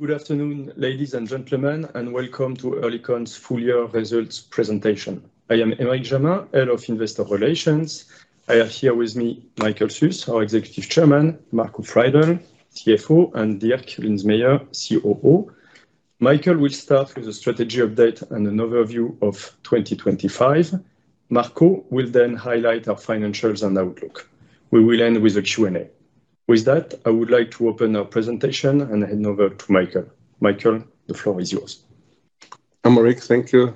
Good afternoon, ladies and gentlemen, and welcome to Oerlikon's full year results presentation. I am Aymeric Jamin, Head of Investor Relations. I have here with me Michael Suess, our Executive Chairman, Marco Freidl, CFO, and Dirk Linzmeier, COO. Michael will start with a strategy update and an overview of 2025. Marco will highlight our financials and outlook. We will end with a Q&A. With that, I would like to open our presentation and hand over to Michael. Michael, the floor is yours. Aymeric, thank you.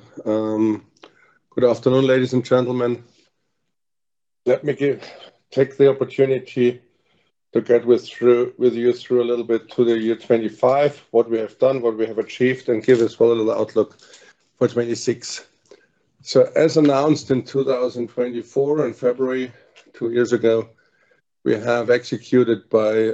Good afternoon, ladies and gentlemen. Let me take the opportunity to get us through, with you through a little bit to the year 2025, what we have done, what we have achieved, and give us a little outlook for 2026. As announced in 2024, in February, two years ago, we have executed by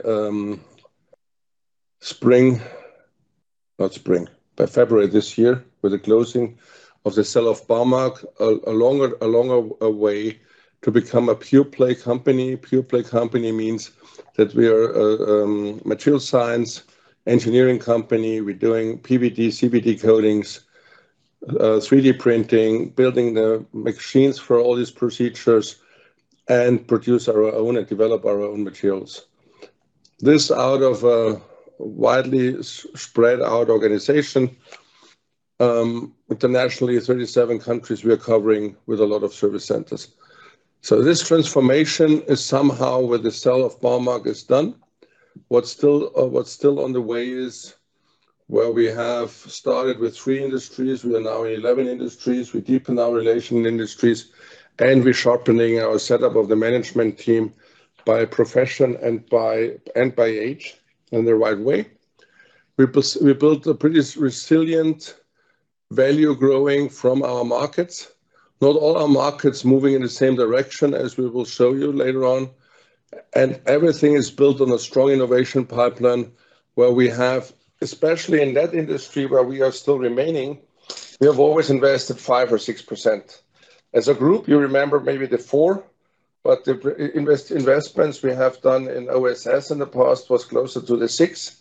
February this year, with the closing of the sale of Balzers, a longer way to become a pure-play company. Pure-play company means that we are a material science engineering company. We're doing PVD, CVD coatings, 3D printing, building the machines for all these procedures, and produce our own and develop our own materials. This out of a widely spread out organization, internationally, 37 countries we are covering with a lot of service centers. This transformation is somehow where the sale of Barmag is done. What's still, what's still on the way is, where we have started with three industries, we are now in 11 industries. We deepen our relation in industries, and we're sharpening our setup of the management team by profession and by age, in the right way. We built a pretty resilient value growing from our markets. Not all our markets moving in the same direction, as we will show you later on, and everything is built on a strong innovation pipeline, where we have, especially in that industry where we are still remaining, we have always invested 5% or 6%. As a group, you remember maybe the 4%, but the investments we have done in OSS in the past was closer to the 6%.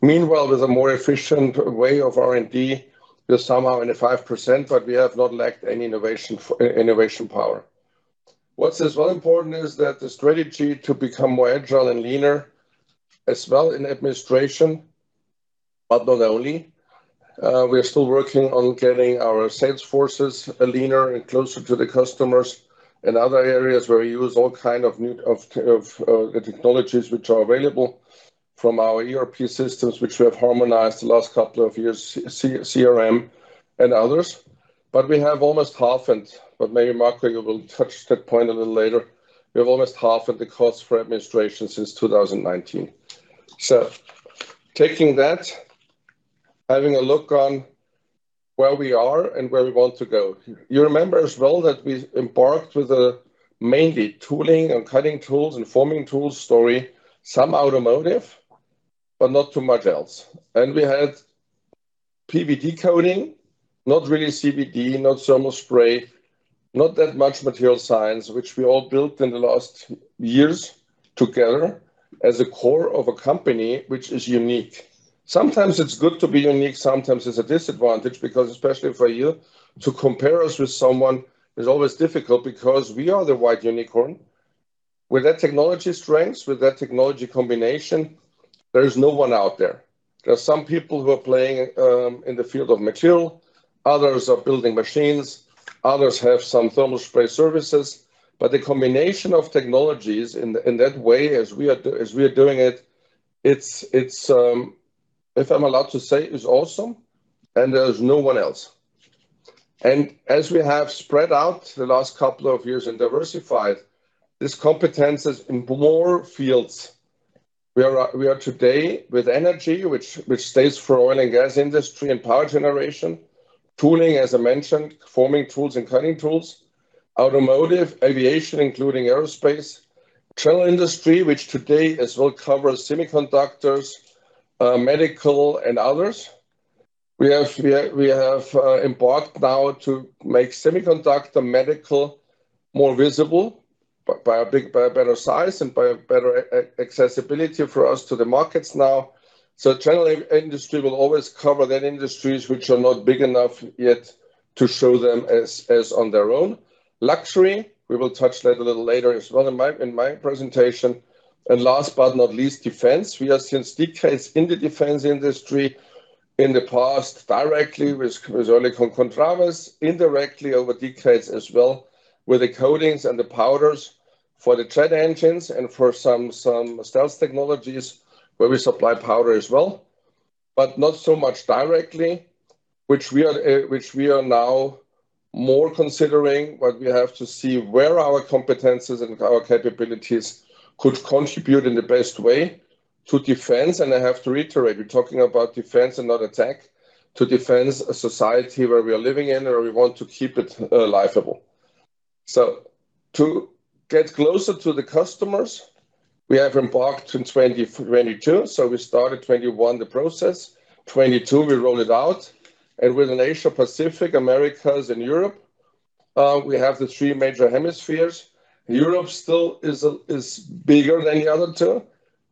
Meanwhile, with a more efficient way of R&D, we're somehow in the 5%, we have not lacked any innovation power. What's as well important is that the strategy to become more agile and leaner, as well in administration, but not only. We are still working on getting our sales forces leaner and closer to the customers, and other areas where we use all kind of new, of the technologies which are available from our ERP systems, which we have harmonized the last couple of years, CRM and others. We have almost halfened, but maybe, Marco, you will touch that point a little later. We have almost halfened the cost for administration since 2019. Taking that, having a look on where we are and where we want to go. You remember as well that we embarked with a mainly tooling and cutting tools and forming tools story, some automotive, but not too much else. We had PVD coating, not really CVD, not thermal spray, not that much material science, which we all built in the last years together as a core of a company, which is unique. Sometimes it's good to be unique, sometimes it's a disadvantage, because especially for you, to compare us with someone is always difficult because we are the white unicorn. With that technology strengths, with that technology combination, there is no one out there. There are some people who are playing in the field of material, others are building machines, others have some thermal spray services, but the combination of technologies in that way, as we are doing it's, if I'm allowed to say, is awesome, and there's no one else. As we have spread out the last couple of years and diversified, this competence is in more fields. We are today with energy, which stays for oil and gas industry and power generation, tooling, as I mentioned, forming tools and cutting tools, automotive, aviation, including aerospace, general industry, which today as well covers semiconductors, medical and others. We have embarked now to make semiconductor medical more visible, by a better size and by a better accessibility for us to the markets now. General industry will always cover that industries which are not big enough yet to show them as on their own. Luxury, we will touch that a little later as well in my presentation. Last but not least, defense. We are since decades in the defense industry, in the past, directly with Oerlikon Contraves, indirectly over decades as well, with the coatings and the powders for the jet engines and for some stealth technologies, where we supply powder as well, but not so much directly, which we are now more considering, but we have to see where our competences and our capabilities could contribute in the best way to defense. I have to reiterate, we're talking about defense and not attack. To defense a society where we are living in, or we want to keep it livable. To get closer to the customers, we have embarked in 2022, so we started 2021, the process, 2022, we roll it out, and within Asia, Pacific, Americas and Europe, we have the three major hemispheres. Europe still is bigger than the other two.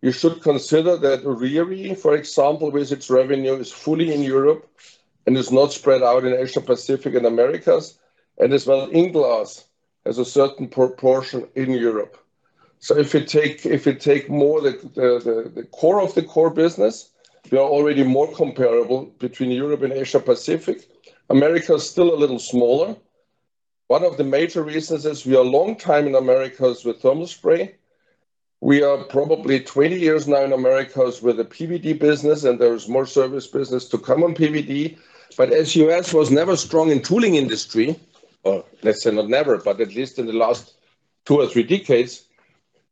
You should consider that Rieter, for example, with its revenue, is fully in Europe and is not spread out in Asia Pacific and Americas. As well, Englas has a certain proportion in Europe. If you take more the core of the core business, we are already more comparable between Europe and Asia Pacific. America is still a little smaller. One of the major reasons is we are long time in Americas with thermal spray. We are probably 20 years now in Americas with a PVD business, and there is more service business to come on PVD. As U.S. was never strong in tooling industry, or let's say not never, but at least in the last two or three decades,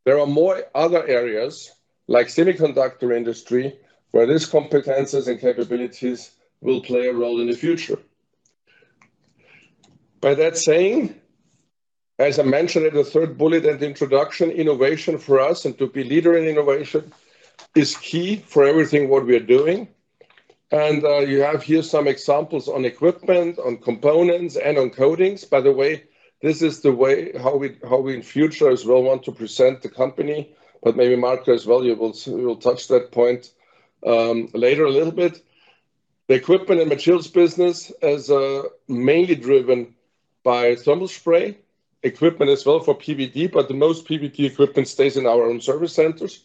there are more other areas, like semiconductor industry, where these competences and capabilities will play a role in the future. By that saying, as I mentioned in the third bullet at the introduction, innovation for us and to be leader in innovation is key for everything what we are doing. You have here some examples on equipment, on components, and on coatings. By the way, this is the way how we in future as well want to present the company, but maybe Marco as well, he will touch that point later a little bit. The equipment and materials business is mainly driven by thermal spray, equipment as well for PVD, but the most PVD equipment stays in our own service centers.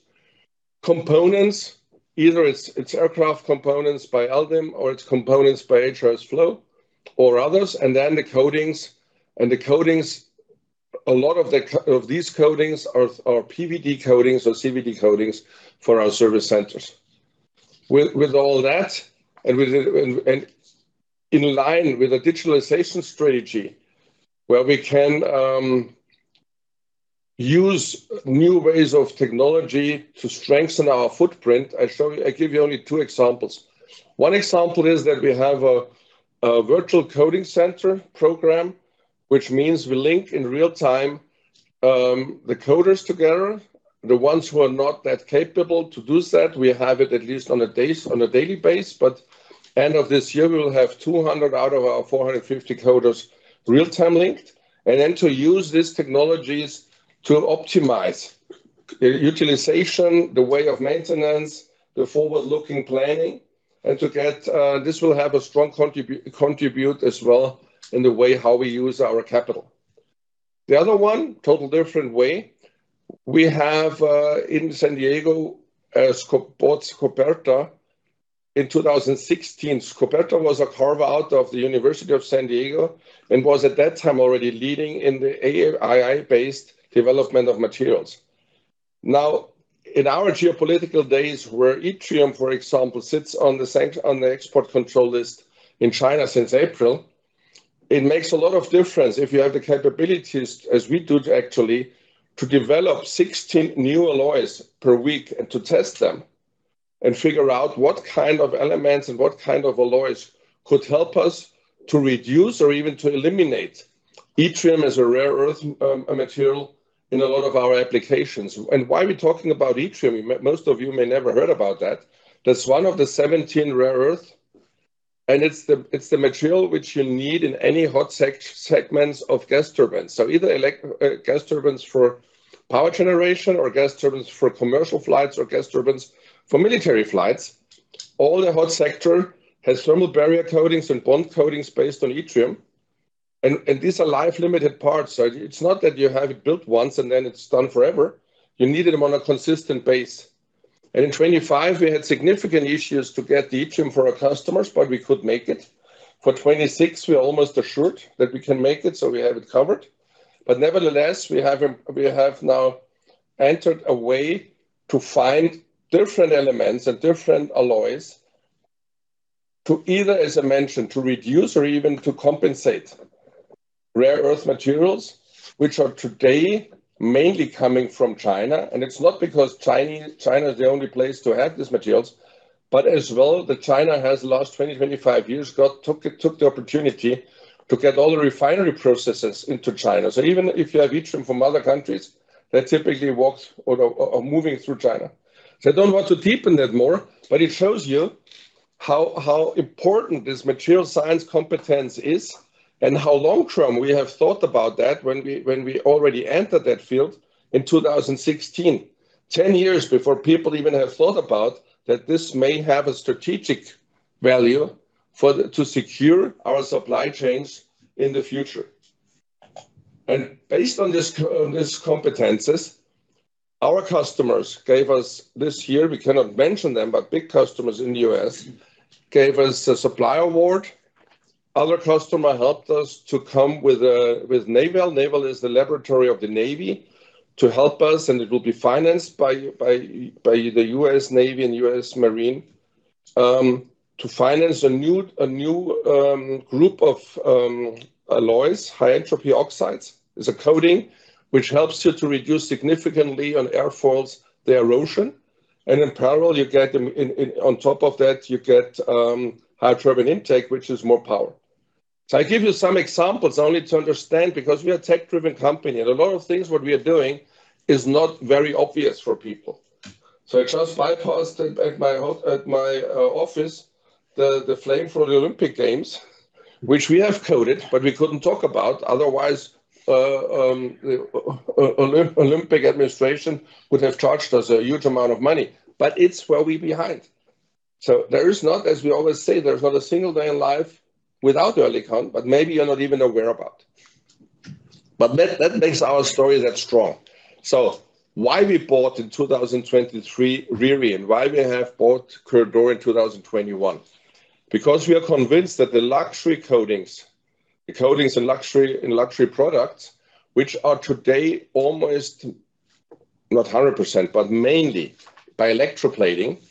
Components, either it's aircraft components by Eldim, or it's components by HRSflow or others, and then the coatings. The coatings, a lot of these coatings are PVD coatings or CVD coatings for our service centers. With all that, and in line with the digitalization strategy, where we can use new ways of technology to strengthen our footprint, I give you only two examples. One example is that we have a virtual coating center program, which means we link in real time the coaters together. The ones who are not that capable to do that, we have it at least on a days, on a daily base, but end of this year, we will have 200 out of our 450 coaters real-time linked. To use these technologies to optimize the utilization, the way of maintenance, the forward-looking planning. This will have a strong contribute as well in the way how we use our capital. The other one, total different way, we have in San Diego, bought Scoperta in 2016. Scoperta was a carve-out of the University of San Diego and was, at that time, already leading in the AI-based development of materials. In our geopolitical days, where yttrium, for example, sits on the export control list in China since April, it makes a lot of difference if you have the capabilities, as we do, to actually, to develop 16 new alloys per week and to test them and figure out what kind of elements and what kind of alloys could help us to reduce or even to eliminate. Yttrium is a rare earth material in a lot of our applications. Why are we talking about yttrium? Most of you may never heard about that. That's 1 of the 17 rare earth, and it's the material which you need in any hot segments of gas turbines. Either gas turbines for power generation, or gas turbines for commercial flights, or gas turbines for military flights, all the hot sector has thermal barrier coatings and bond coatings based on yttrium, and these are life-limited parts. It's not that you have it built once and then it's done forever, you need them on a consistent base. In 2025, we had significant issues to get the yttrium for our customers, but we could make it. For 2026, we are almost assured that we can make it, so we have it covered. Nevertheless, we have now entered a way to find different elements and different alloys to either, as I mentioned, to reduce or even to compensate. Rare earth materials, which are today mainly coming from China, it's not because China is the only place to have these materials, but as well, that China has the last 20, 25 years, took the opportunity to get all the refinery processes into China. Even if you have yttrium from other countries, that typically walks or moving through China. I don't want to deepen that more, but it shows you how important this material science competence is and how long term we have thought about that when we already entered that field in 2016, 10 years before people even have thought about that this may have a strategic value to secure our supply chains in the future. Based on this competences, our customers gave us... This year, we cannot mention them, but big customers in the U.S. gave us a supply award. Other customer helped us to come with Naval. Naval is the laboratory of the Navy, to help us, and it will be financed by the U.S. Navy and U.S. Marine to finance a new, a new group of alloys, high-entropy oxides, as a coating, which helps you to reduce significantly on airfoils, the erosion, and in parallel, you get them on top of that, you get high turbine intake, which is more power. I give you some examples only to understand, because we are a tech-driven company, and a lot of things what we are doing is not very obvious for people. I just bypassed at my, at my office, the flame for the Olympic Games, which we have coated, but we couldn't talk about, otherwise, Olympic administration would have charged us a huge amount of money. It's where we behind. There is not, as we always say, there's not a single day in life without early count, but maybe you're not even aware about. That makes our story that strong. Why we bought in 2023 Riri? Why we have bought CoeurDOR in 2021? Because we are convinced that the luxury coatings, the coatings in luxury, in luxury products, which are today almost, not 100%, but mainly by electroplating,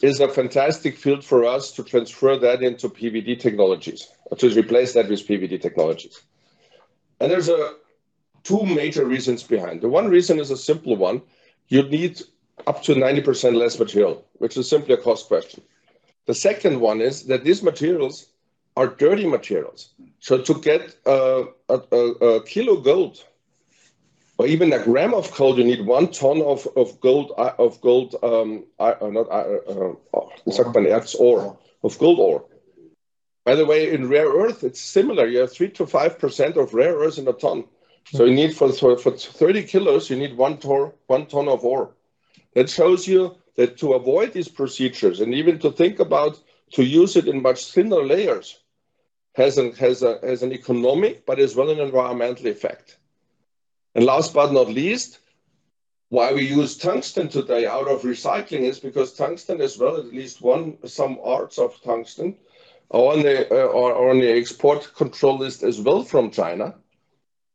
is a fantastic field for us to transfer that into PVD technologies, to replace that with PVD technologies. There's two major reasons behind. The one reason is a simple one, you need up to 90% less material, which is simply a cost question. The second one is that these materials are dirty materials. To get a kilo of gold or even a gram of gold, you need 1 ton of gold ore. By the way, in rare earth, it's similar. You have 3%-5% of rare earths in a ton. You need for 30 kg, you need 1 ton of ore. That shows you that to avoid these procedures and even to think about to use it in much thinner layers, has an economic but as well, an environmental effect. Last but not least, why we use tungsten today out of recycling is because tungsten as well, at least one, some parts of tungsten, are on the export control list as well from China.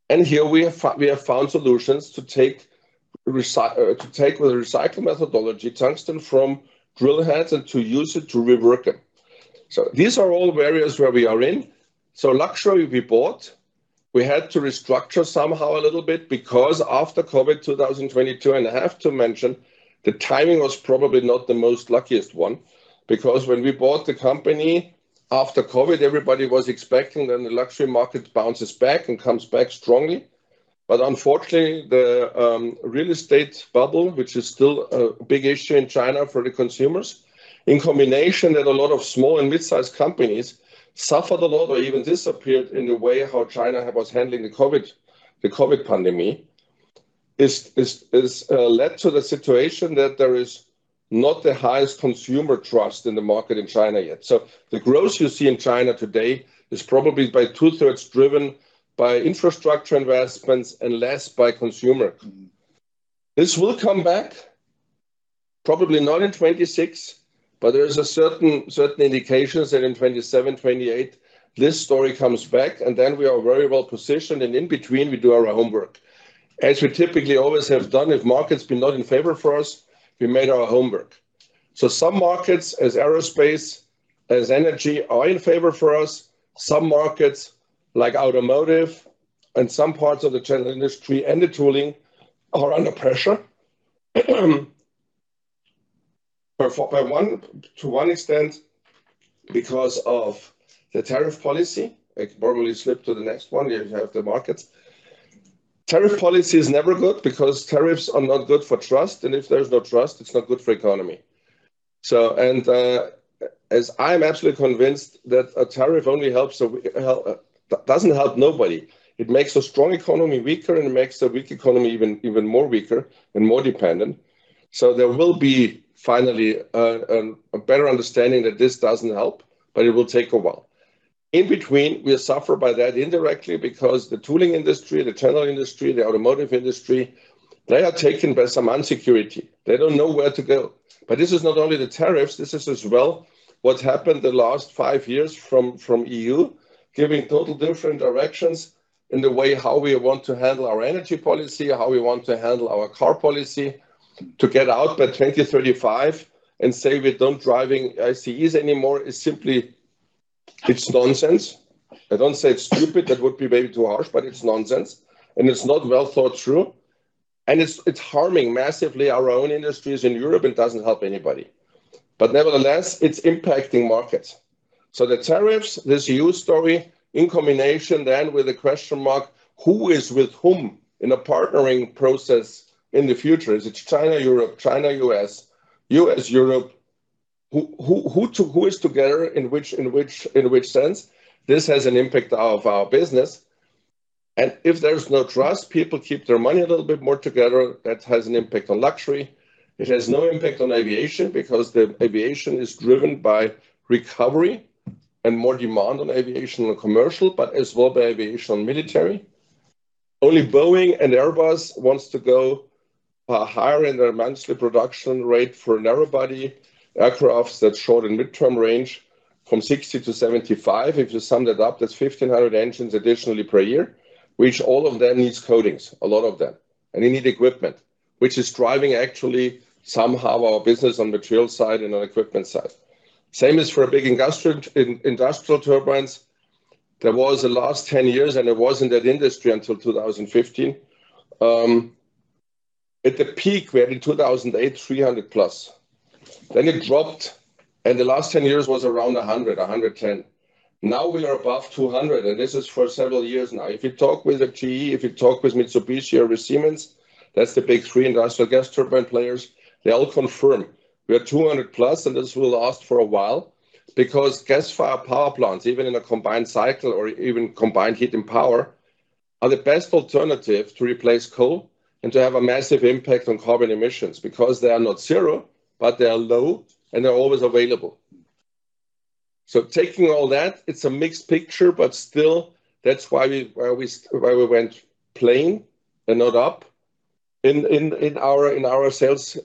Here we have found solutions to take with the recycling methodology, tungsten from drill heads and to use it to rework it. These are all areas where we are in. Luxury we bought, we had to restructure somehow a little bit, because after COVID-2022, and I have to mention, the timing was probably not the most luckiest one. When we bought the company after COVID, everybody was expecting that the luxury market bounces back and comes back strongly. Unfortunately, the real estate bubble, which is still a big issue in China for the consumers, in combination that a lot of small and mid-sized companies suffered a lot or even disappeared in the way how China was handling the COVID pandemic, led to the situation that there is not the highest consumer trust in the market in China yet. The growth you see in China today is probably by two-thirds driven by infrastructure investments and less by consumer. This will come back, probably not in 2026, but there is a certain indications that in 2027, 2028, this story comes back, and then we are very well positioned, and in between, we do our homework. As we typically always have done, if market's been not in favor for us, we made our homework. Some markets, as aerospace, as energy, are in favor for us. Some markets, like automotive and some parts of the general industry and the tooling, are under pressure. By one extent because of the tariff policy. I could probably slip to the next one, you have the markets. Tariff policy is never good because tariffs are not good for trust, and if there's no trust, it's not good for economy. As I am absolutely convinced that a tariff only doesn't help nobody. It makes a strong economy weaker and makes a weak economy even more weaker and more dependent. There will be finally a better understanding that this doesn't help, but it will take a while. In between, we suffer by that indirectly because the tooling industry, the tunnel industry, the automotive industry, they are taken by some insecurity. They don't know where to go. This is not only the tariffs, this is as well what happened the last five years from EU, giving total different directions in the way how we want to handle our energy policy, how we want to handle our car policy. To get out by 2035 and say we don't driving ICEs anymore, is simply, it's nonsense. I don't say it's stupid, that would be maybe too harsh, but it's nonsense, and it's not well thought through, and it's harming massively our own industries in Europe and doesn't help anybody. Nevertheless, it's impacting markets. The tariffs, this huge story in combination then with a question mark, who is with whom in a partnering process in the future? Is it China, Europe, China, US, Europe? Who is together in which, in which, in which sense? This has an impact of our business, and if there's no trust, people keep their money a little bit more together. That has an impact on luxury. It has no impact on aviation, because the aviation is driven by recovery and more demand on aviation and commercial, but as well by aviation on military. Only Boeing and Airbus wants to go higher in their monthly production rate for narrow-body aircrafts that short- and midterm range from 60 to 75. If you sum that up, that's 1,500 engines additionally per year, which all of them needs coatings, a lot of them. You need equipment, which is driving actually somehow our business on material side and on equipment side. Same as for a big industrial turbines. There was the last 10 years, and I was in that industry until 2015. At the peak, we had in 2008, 300+. It dropped, and the last 10 years was around 100, 110. Now we are above 200, and this is for several years now. If you talk with a GE, if you talk with Mitsubishi or with Siemens, that's the big three industrial gas turbine players, they all confirm we are 200+, and this will last for a while. Because gas-fired power plants, even in a combined cycle or even combined heat and power, are the best alternative to replace coal and to have a massive impact on carbon emissions because they are not zero, but they are low, and they're always available. Taking all that, it's a mixed picture, but still, that's why we went plain and not up in our sales,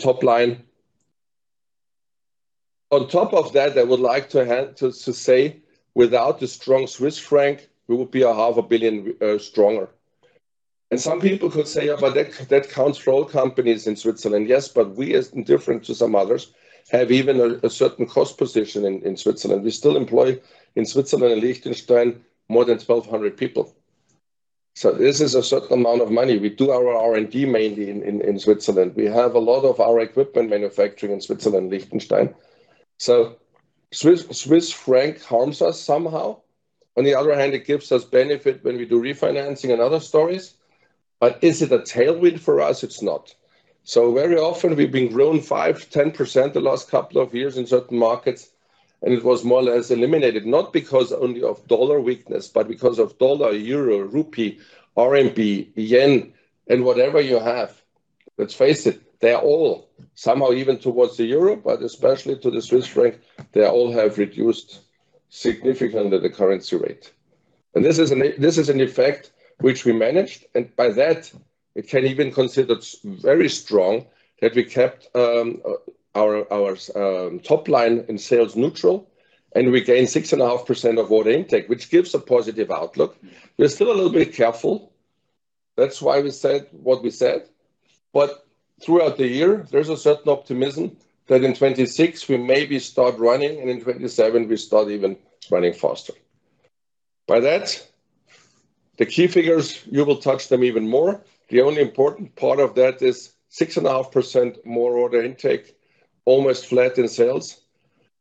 top line. On top of that, I would like to say, without the strong Swiss franc, we would be a 0.5 billion stronger. Some people could say, "But that counts for all companies in Switzerland." Yes, we, as different to some others, have even a certain cost position in Switzerland. We still employ in Switzerland and Liechtenstein more than 1,200 people. This is a certain amount of money. We do our R&D mainly in, in Switzerland. We have a lot of our equipment manufacturing in Switzerland, Liechtenstein. Swiss franc harms us somehow. On the other hand, it gives us benefit when we do refinancing and other stories. Is it a tailwind for us? It's not. Very often we've been growing 5%, 10% the last couple of years in certain markets, and it was more or less eliminated, not because only of dollar weakness, but because of dollar, euro, rupee, RMB, yen, and whatever you have. Let's face it, they are all somehow even towards the euro, but especially to the Swiss franc, they all have reduced significantly the currency rate. This is an effect which we managed, and by that, it can even consider very strong that we kept our top line in sales neutral, and we gained 6.5% of order intake, which gives a positive outlook. We're still a little bit careful. That's why we said what we said. Throughout the year, there's a certain optimism that in 2026, we maybe start running, and in 2027, we start even running faster. By that, the key figures, you will touch them even more. The only important part of that is 6.5% more order intake, almost flat in sales.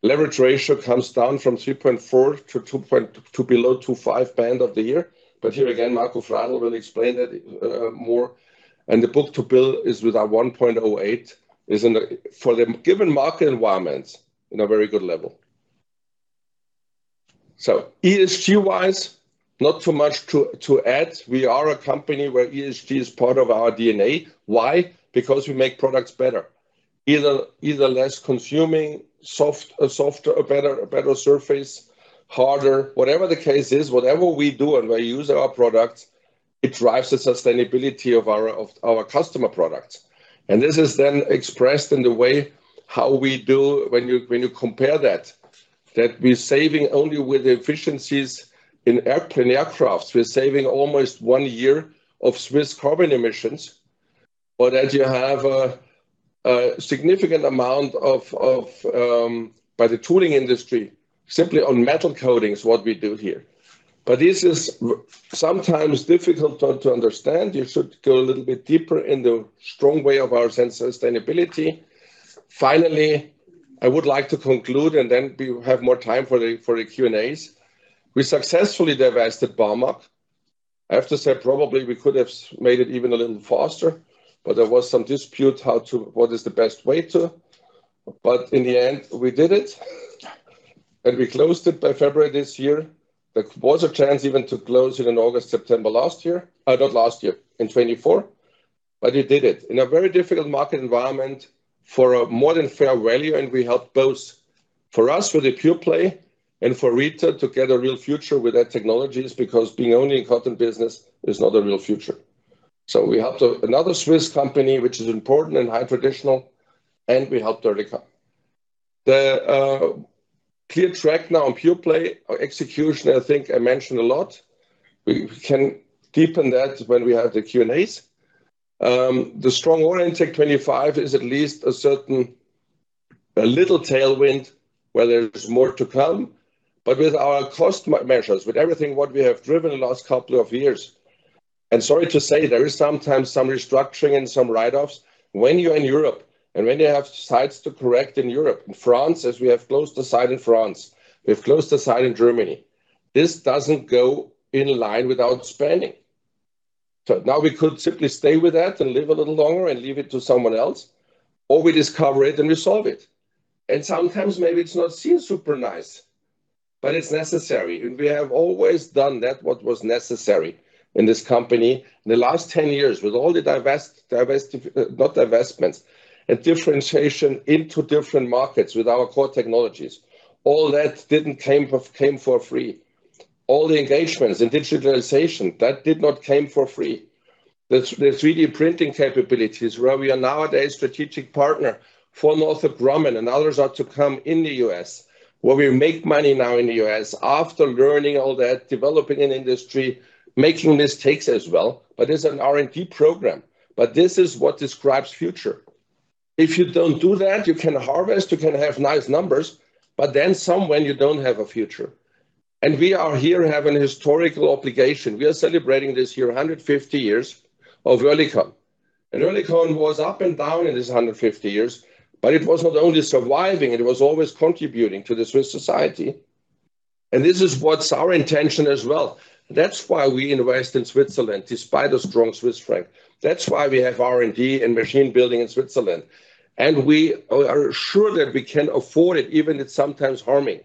Leverage ratio comes down from 3.4 to below 2.5 band of the year. Here again, Marco Freidl will explain that more. The book to bill is with our 1.08, for the given market environments, in a very good level. ESG-wise, not too much to add. We are a company where ESG is part of our DNA. Why? Because we make products better, either less consuming, soft, softer, a better surface, harder. Whatever the case is, whatever we do and we use our products, it drives the sustainability of our customer products. This is then expressed in the way how we do when you compare that we're saving only with the efficiencies in aircrafts. We're saving almost one year of Swiss carbon emissions. As you have a significant amount of by the tooling industry, simply on metal coatings, what we do here. This is sometimes difficult to understand. You should go a little bit deeper in the strong way of our sense of sustainability. Finally, I would like to conclude, and then we have more time for the, for the Q&As. We successfully divested Barmag. I have to say, probably we could have made it even a little faster, but there was some dispute what is the best way to. In the end, we did it, and we closed it by February this year. There was a chance even to close it in August, September last year. Not last year, in 2024. We did it in a very difficult market environment for a more than fair value, and we helped both, for us, for the pure play and for Rieter to get a real future with that technologies, because being only in cotton business is not a real future. We helped another Swiss company, which is important and high traditional, and we helped them become. The clear track now on pure play or execution, I think I mentioned a lot. We can deepen that when we have the Q&As. The strong order intake 25 is at least a certain, a little tailwind, where there's more to come. With our cost measures, with everything, what we have driven the last couple of years, and sorry to say, there is sometimes some restructuring and some write-offs. When you're in Europe, and when you have sites to correct in Europe, in France, as we have closed the site in France, we've closed the site in Germany, this doesn't go in line without spending. Now we could simply stay with that and live a little longer and leave it to someone else, or we discover it and we solve it. Sometimes maybe it's not seem super nice, but it's necessary, and we have always done that, what was necessary in this company. In the last 10 years, with all the divest, not divestments, and differentiation into different markets with our core technologies, all that didn't came for free. All the engagements and digitalization, that did not came for free. The 3D printing capabilities, where we are nowadays strategic partner for Northrop Grumman and others are to come in the US, where we make money now in the US, after learning all that, developing an industry, making these takes as well. It's an R&D program. This is what describes future. If you don't do that, you can harvest, you can have nice numbers, but then somewhen you don't have a future. We are here have an historical obligation. We are celebrating this year 150 years of Oerlikon, and Oerlikon was up and down in this 150 years, but it was not only surviving, it was always contributing to the Swiss society, and this is what's our intention as well. That's why we invest in Switzerland, despite the strong Swiss franc. That's why we have R&D and machine building in Switzerland, and we are sure that we can afford it, even if it's sometimes harming.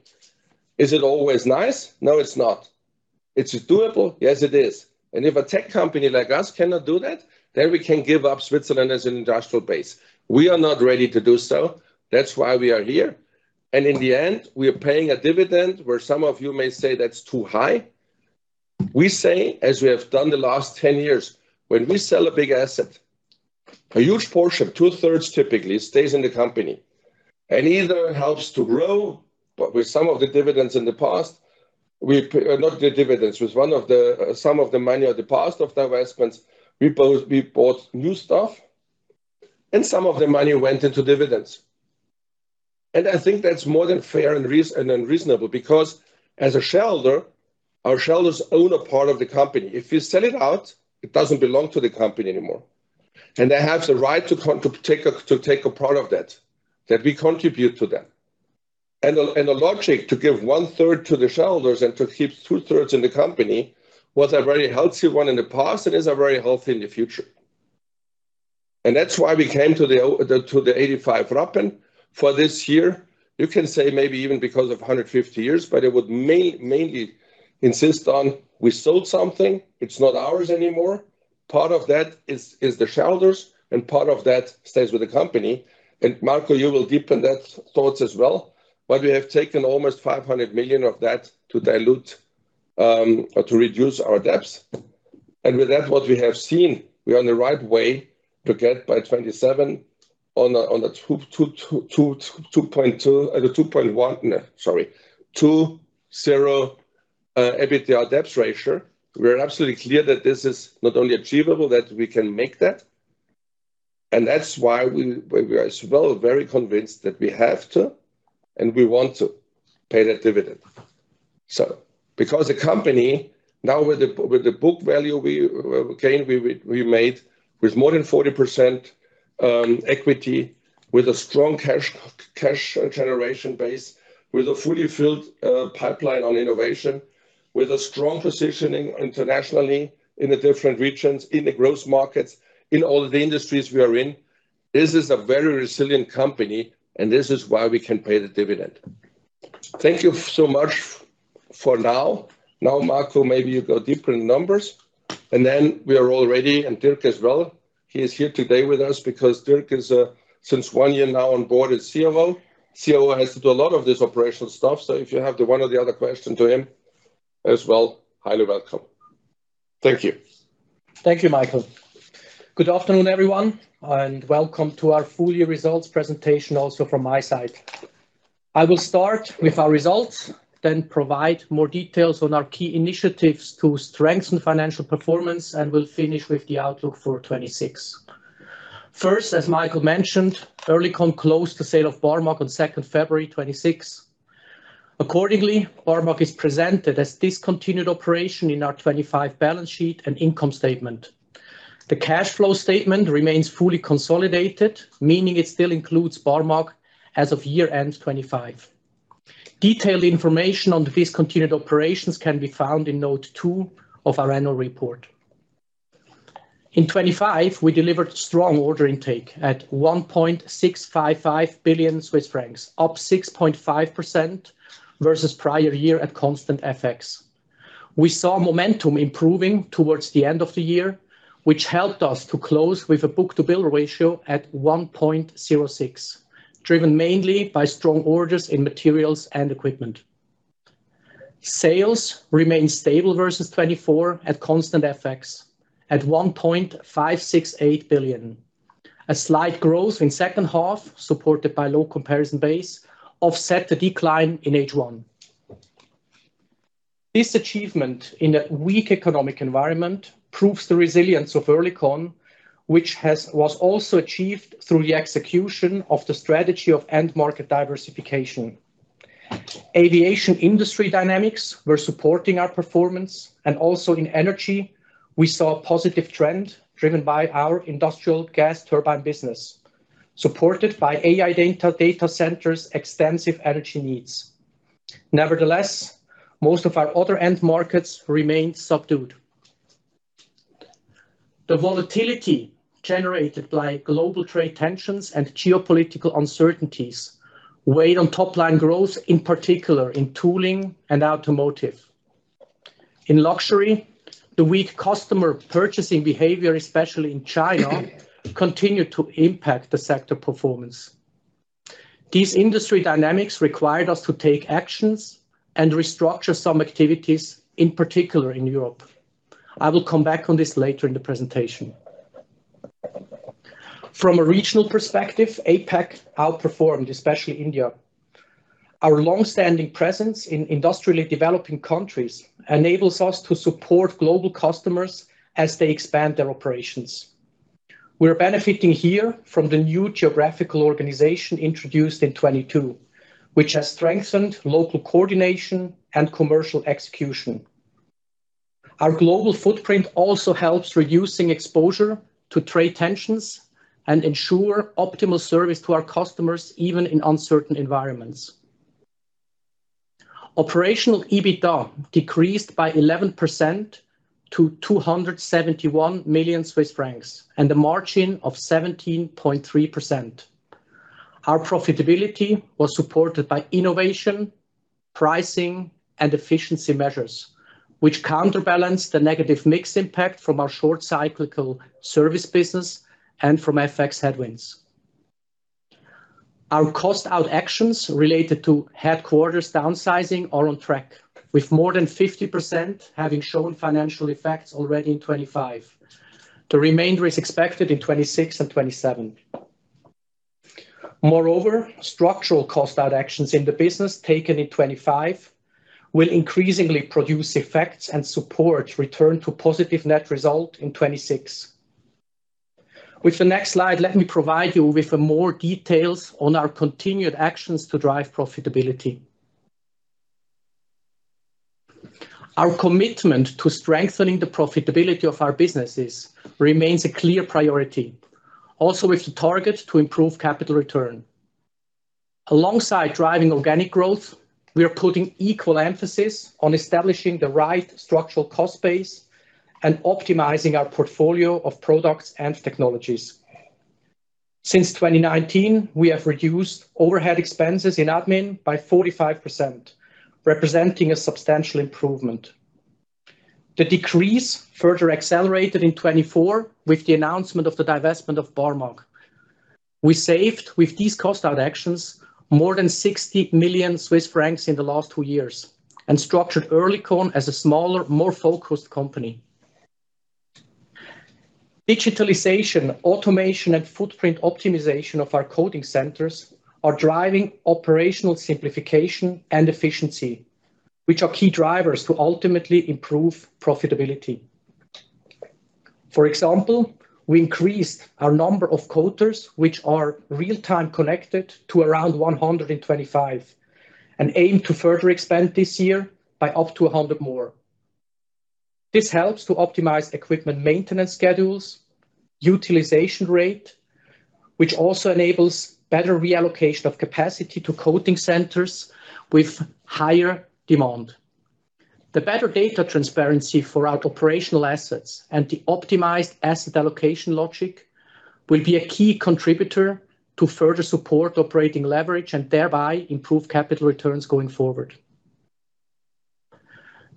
Is it always nice? No, it's not. It's doable? Yes, it is. If a tech company like us cannot do that, then we can give up Switzerland as an industrial base. We are not ready to do so. That's why we are here, and in the end, we are paying a dividend, where some of you may say that's too high. We say, as we have done the last 10 years, when we sell a big asset, a huge portion, two-thirds, typically, stays in the company and either helps to grow. With some of the dividends in the past, Not the dividends, with some of the money of the past of the investments, we bought new stuff, and some of the money went into dividends. I think that's more than fair and reasonable, because as a shareholder, our shareholders own a part of the company. If you sell it out, it doesn't belong to the company anymore, and they have the right to take a part of that we contribute to them. The logic to give one third to the shareholders and to keep two-thirds in the company was a very healthy one in the past, and is a very healthy in the future. That's why we came to the 85 Rappen for this year. You can say maybe even because of 150 years, but I would mainly insist on we sold something, it's not ours anymore. Part of that is the shareholders, and part of that stays with the company. Marco, you will deepen that thoughts as well. We have taken almost 500 million of that to dilute or to reduce our debts. With that, what we have seen, we are on the right way to get by 2027 on a 2.0 EBITDA debt ratio. We're absolutely clear that this is not only achievable, that we can make that, and that's why we are as well very convinced that we have to, and we want to pay that dividend. Because the company, now with the book value, we gain, we made with more than 40% equity, with a strong cash generation base, with a fully filled pipeline on innovation, with a strong positioning internationally in the different regions, in the growth markets, in all the industries we are in, this is a very resilient company, and this is why we can pay the dividend. Thank you so much for now. Marco, maybe you go deeper in numbers, and then we are all ready, and Dirk as well. He is here today with us because Dirk is since 1 year now on board as CFO. CFO has to do a lot of this operational stuff, so if you have the 1 or the other question to him as well, highly welcome. Thank you. Thank you, Michael. Good afternoon, everyone, welcome to our full year results presentation, also from my side. I will start with our results, provide more details on our key initiatives to strengthen financial performance, we'll finish with the outlook for 2026. First, as Michael mentioned, Oerlikon closed the sale of Barmag on second February, 2026. Accordingly, Barmag is presented as discontinued operation in our 2025 balance sheet and income statement. The cash flow statement remains fully consolidated, meaning it still includes Barmag as of year-end 2025. Detailed information on the discontinued operations can be found in note two of our annual report. In 2025, we delivered strong order intake at 1.655 billion Swiss francs, up 6.5% versus prior year at constant FX. We saw momentum improving towards the end of the year, which helped us to close with a book-to-bill ratio at 1.06, driven mainly by strong orders in materials and equipment. Sales remained stable versus 2024 at constant FX at 1.568 billion. A slight growth in second half, supported by low comparison base, offset the decline in H1. This achievement in a weak economic environment proves the resilience of Oerlikon, which was also achieved through the execution of the strategy of end market diversification. Aviation industry dynamics were supporting our performance. Also in energy, we saw a positive trend driven by our industrial gas turbine business, supported by AI data centers, extensive energy needs. Nevertheless, most of our other end markets remained subdued. The volatility generated by global trade tensions and geopolitical uncertainties weighed on top line growth, in particular in tooling and automotive. In luxury, the weak customer purchasing behavior, especially in China, continued to impact the sector performance. These industry dynamics required us to take actions and restructure some activities, in particular in Europe. I will come back on this later in the presentation. From a regional perspective, APAC outperformed, especially India. Our long-standing presence in industrially developing countries enables us to support global customers as they expand their operations. We're benefiting here from the new geographical organization introduced in 2022, which has strengthened local coordination and commercial execution. Our global footprint also helps reducing exposure to trade tensions and ensure optimal service to our customers, even in uncertain environments. Operational EBITDA decreased by 11% to 271 million Swiss francs, and a margin of 17.3%. Our profitability was supported by innovation, pricing, and efficiency measures, which counterbalance the negative mix impact from our short cyclical service business and from FX headwinds. Our cost-out actions related to headquarters downsizing are on track, with more than 50% having shown financial effects already in 2025. The remainder is expected in 2026 and 2027. Moreover, structural cost-out actions in the business taken in 2025 will increasingly produce effects and support return to positive net result in 2026. With the next slide, let me provide you with more details on our continued actions to drive profitability. Our commitment to strengthening the profitability of our businesses remains a clear priority, also with the target to improve capital return. Alongside driving organic growth, we are putting equal emphasis on establishing the right structural cost base and optimizing our portfolio of products and technologies. Since 2019, we have reduced overhead expenses in admin by 45%, representing a substantial improvement. The decrease further accelerated in 2024 with the announcement of the divestment of Barmag. We saved, with these cost-out actions, more than 60 million Swiss francs in the last two years and structured Oerlikon as a smaller, more focused company. Digitalization, automation, and footprint optimization of our coating centers are driving operational simplification and efficiency, which are key drivers to ultimately improve profitability. For example, we increased our number of coaters, which are real-time connected, to around 125, and aim to further expand this year by up to 100 more. This helps to optimize equipment maintenance schedules, utilization rate, which also enables better reallocation of capacity to coating centers with higher demand. The better data transparency for our operational assets and the optimized asset allocation logic will be a key contributor to further support operating leverage and thereby improve capital returns going forward.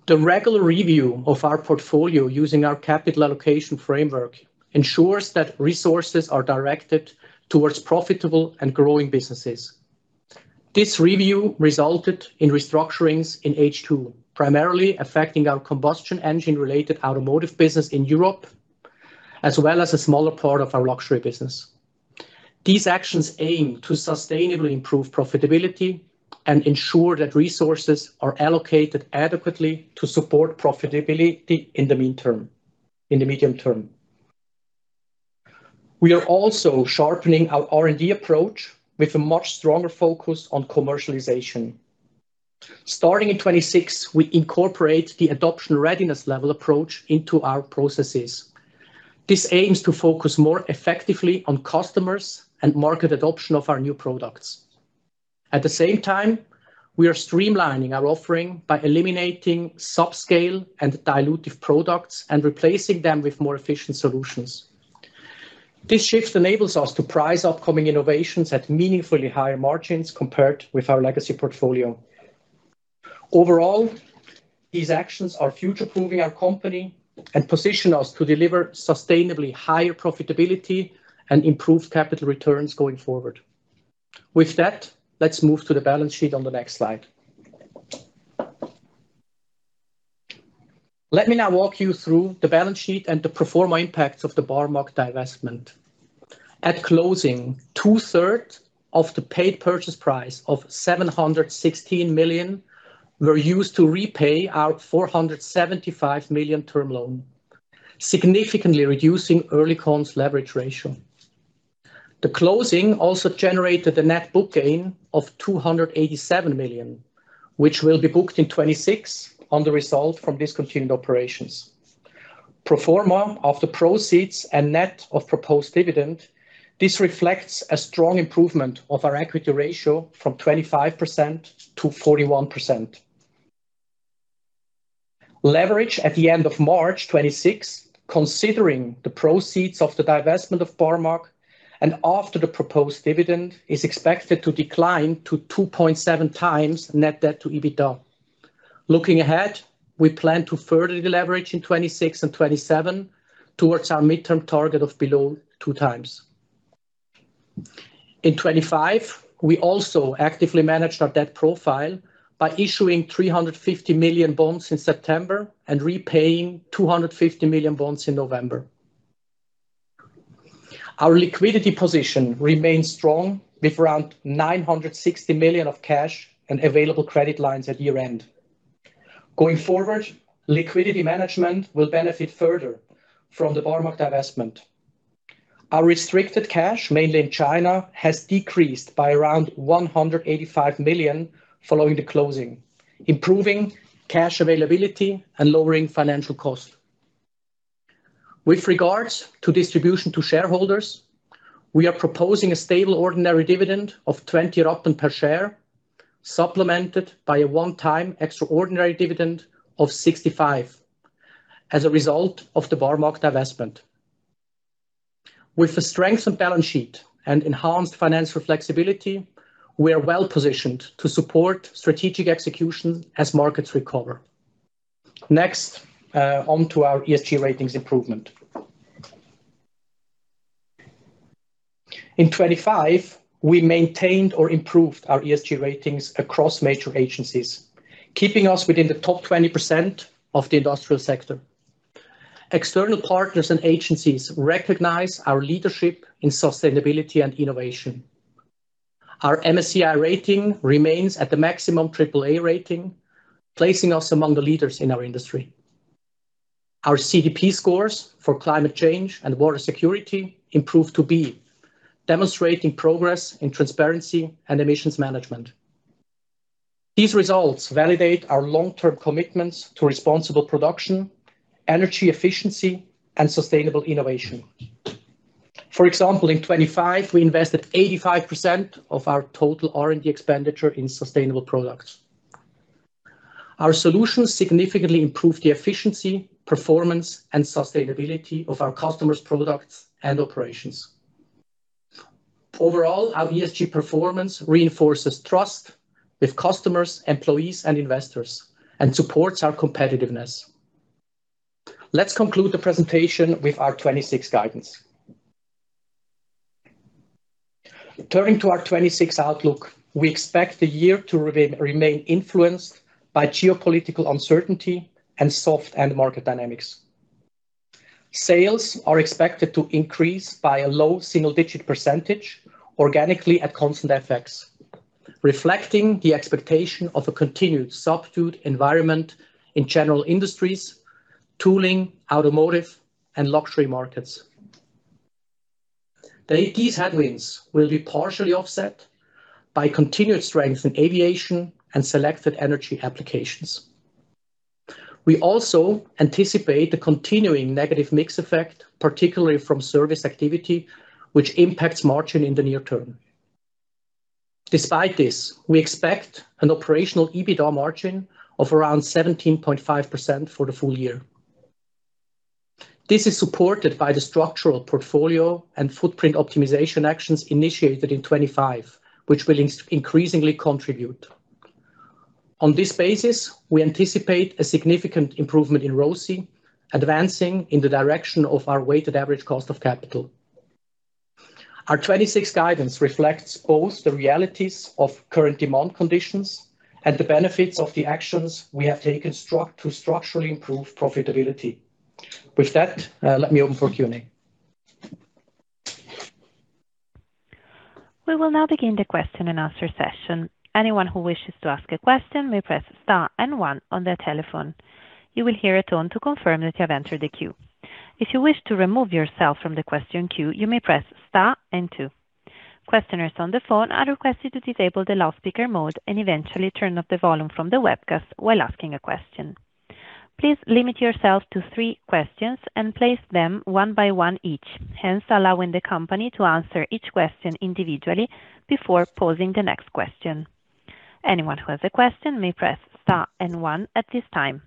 The regular review of our portfolio using our capital allocation framework ensures that resources are directed towards profitable and growing businesses. This review resulted in restructurings in H2, primarily affecting our combustion engine-related automotive business in Europe, as well as a smaller part of our luxury business. These actions aim to sustainably improve profitability and ensure that resources are allocated adequately to support profitability in the medium term. We are also sharpening our R&D approach with a much stronger focus on commercialization. Starting in 2026, we incorporate the Adoption Readiness Level approach into our processes. This aims to focus more effectively on customers and market adoption of our new products. At the same time, we are streamlining our offering by eliminating subscale and dilutive products and replacing them with more efficient solutions. This shift enables us to price upcoming innovations at meaningfully higher margins compared with our legacy portfolio. Overall, these actions are future-proofing our company and position us to deliver sustainably higher profitability and improve capital returns going forward. With that, let's move to the balance sheet on the next slide. Let me now walk you through the balance sheet and the pro forma impacts of the Barmag divestment. At closing, two-third of the paid purchase price of 716 million were used to repay our 475 million term loan, significantly reducing Oerlikon's leverage ratio. The closing also generated a net book gain of 287 million, which will be booked in 2026 on the result from discontinued operations. Pro forma of the proceeds and net of proposed dividend, this reflects a strong improvement of our equity ratio from 25% to 41%. Leverage at the end of March 2026, considering the proceeds of the divestment of Barmag and after the proposed dividend, is expected to decline to 2.7 times net debt to EBITDA. Looking ahead, we plan to further deleverage in 2026 and 2027 towards our midterm target of below two times. In 2025, we also actively managed our debt profile by issuing 350 million bonds in September and repaying 250 million bonds in November.... Our liquidity position remains strong, with around 960 million of cash and available credit lines at year-end. Going forward, liquidity management will benefit further from the Barmag divestment. Our restricted cash, mainly in China, has decreased by around 185 million following the closing, improving cash availability and lowering financial cost. With regards to distribution to shareholders, we are proposing a stable ordinary dividend of 20 Rappen per share, supplemented by a one-time extraordinary dividend of 65 Rappen as a result of the Barmag divestment. With the strength and balance sheet and enhanced financial flexibility, we are well-positioned to support strategic execution as markets recover. Next, onto our ESG ratings improvement. In 2025, we maintained or improved our ESG ratings across major agencies, keeping us within the top 20% of the industrial sector. External partners and agencies recognize our leadership in sustainability and innovation. Our MSCI rating remains at the maximum Triple-A rating, placing us among the leaders in our industry. Our CDP scores for climate change and water security improved to B, demonstrating progress in transparency and emissions management. These results validate our long-term commitments to responsible production, energy efficiency, and sustainable innovation. For example, in 2025, we invested 85% of our total R&D expenditure in sustainable products. Our solutions significantly improve the efficiency, performance, and sustainability of our customers' products and operations. Overall, our ESG performance reinforces trust with customers, employees, and investors and supports our competitiveness. Let's conclude the presentation with our 2026 guidance. Turning to our 2026 outlook, we expect the year to remain influenced by geopolitical uncertainty and soft end market dynamics. Sales are expected to increase by a low single-digit percentage organically at constant FX, reflecting the expectation of a continued subdued environment in general industries, tooling, automotive, and luxury markets. These headwinds will be partially offset by continued strength in aviation and selected energy applications. We also anticipate the continuing negative mix effect, particularly from service activity, which impacts margin in the near term. Despite this, we expect an operational EBITDA margin of around 17.5% for the full year. This is supported by the structural portfolio and footprint optimization actions initiated in 2025, which will increasingly contribute. On this basis, we anticipate a significant improvement in ROCE, advancing in the direction of our weighted average cost of capital. Our 2026 guidance reflects both the realities of current demand conditions and the benefits of the actions we have taken to structurally improve profitability. With that, let me open for Q&A. We will now begin the question-and-answer session. Anyone who wishes to ask a question may press Star and one on their telephone. You will hear a tone to confirm that you have entered the queue. If you wish to remove yourself from the question queue, you may press Star and two. Questioners on the phone are requested to disable the loudspeaker mode and eventually turn off the volume from the webcast while asking a question. Please limit yourself to three questions and place them one by one each, hence allowing the company to answer each question individually before posing the next question. Anyone who has a question may press Star and one at this time.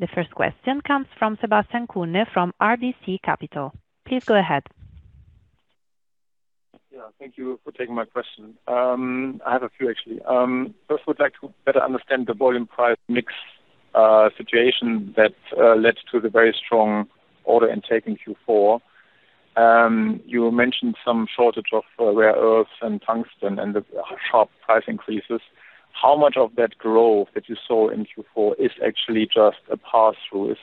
The first question comes from Sebastian Kuenne, from RBC Capital. Please go ahead. Thank you for taking my question. I have a few, actually. First, I would like to better understand the volume price mix situation that led to the very strong order intake in Q4. You mentioned some shortage of rare earths and tungsten and the sharp price increases. How much of that growth that you saw in Q4 is actually just a pass-through? Is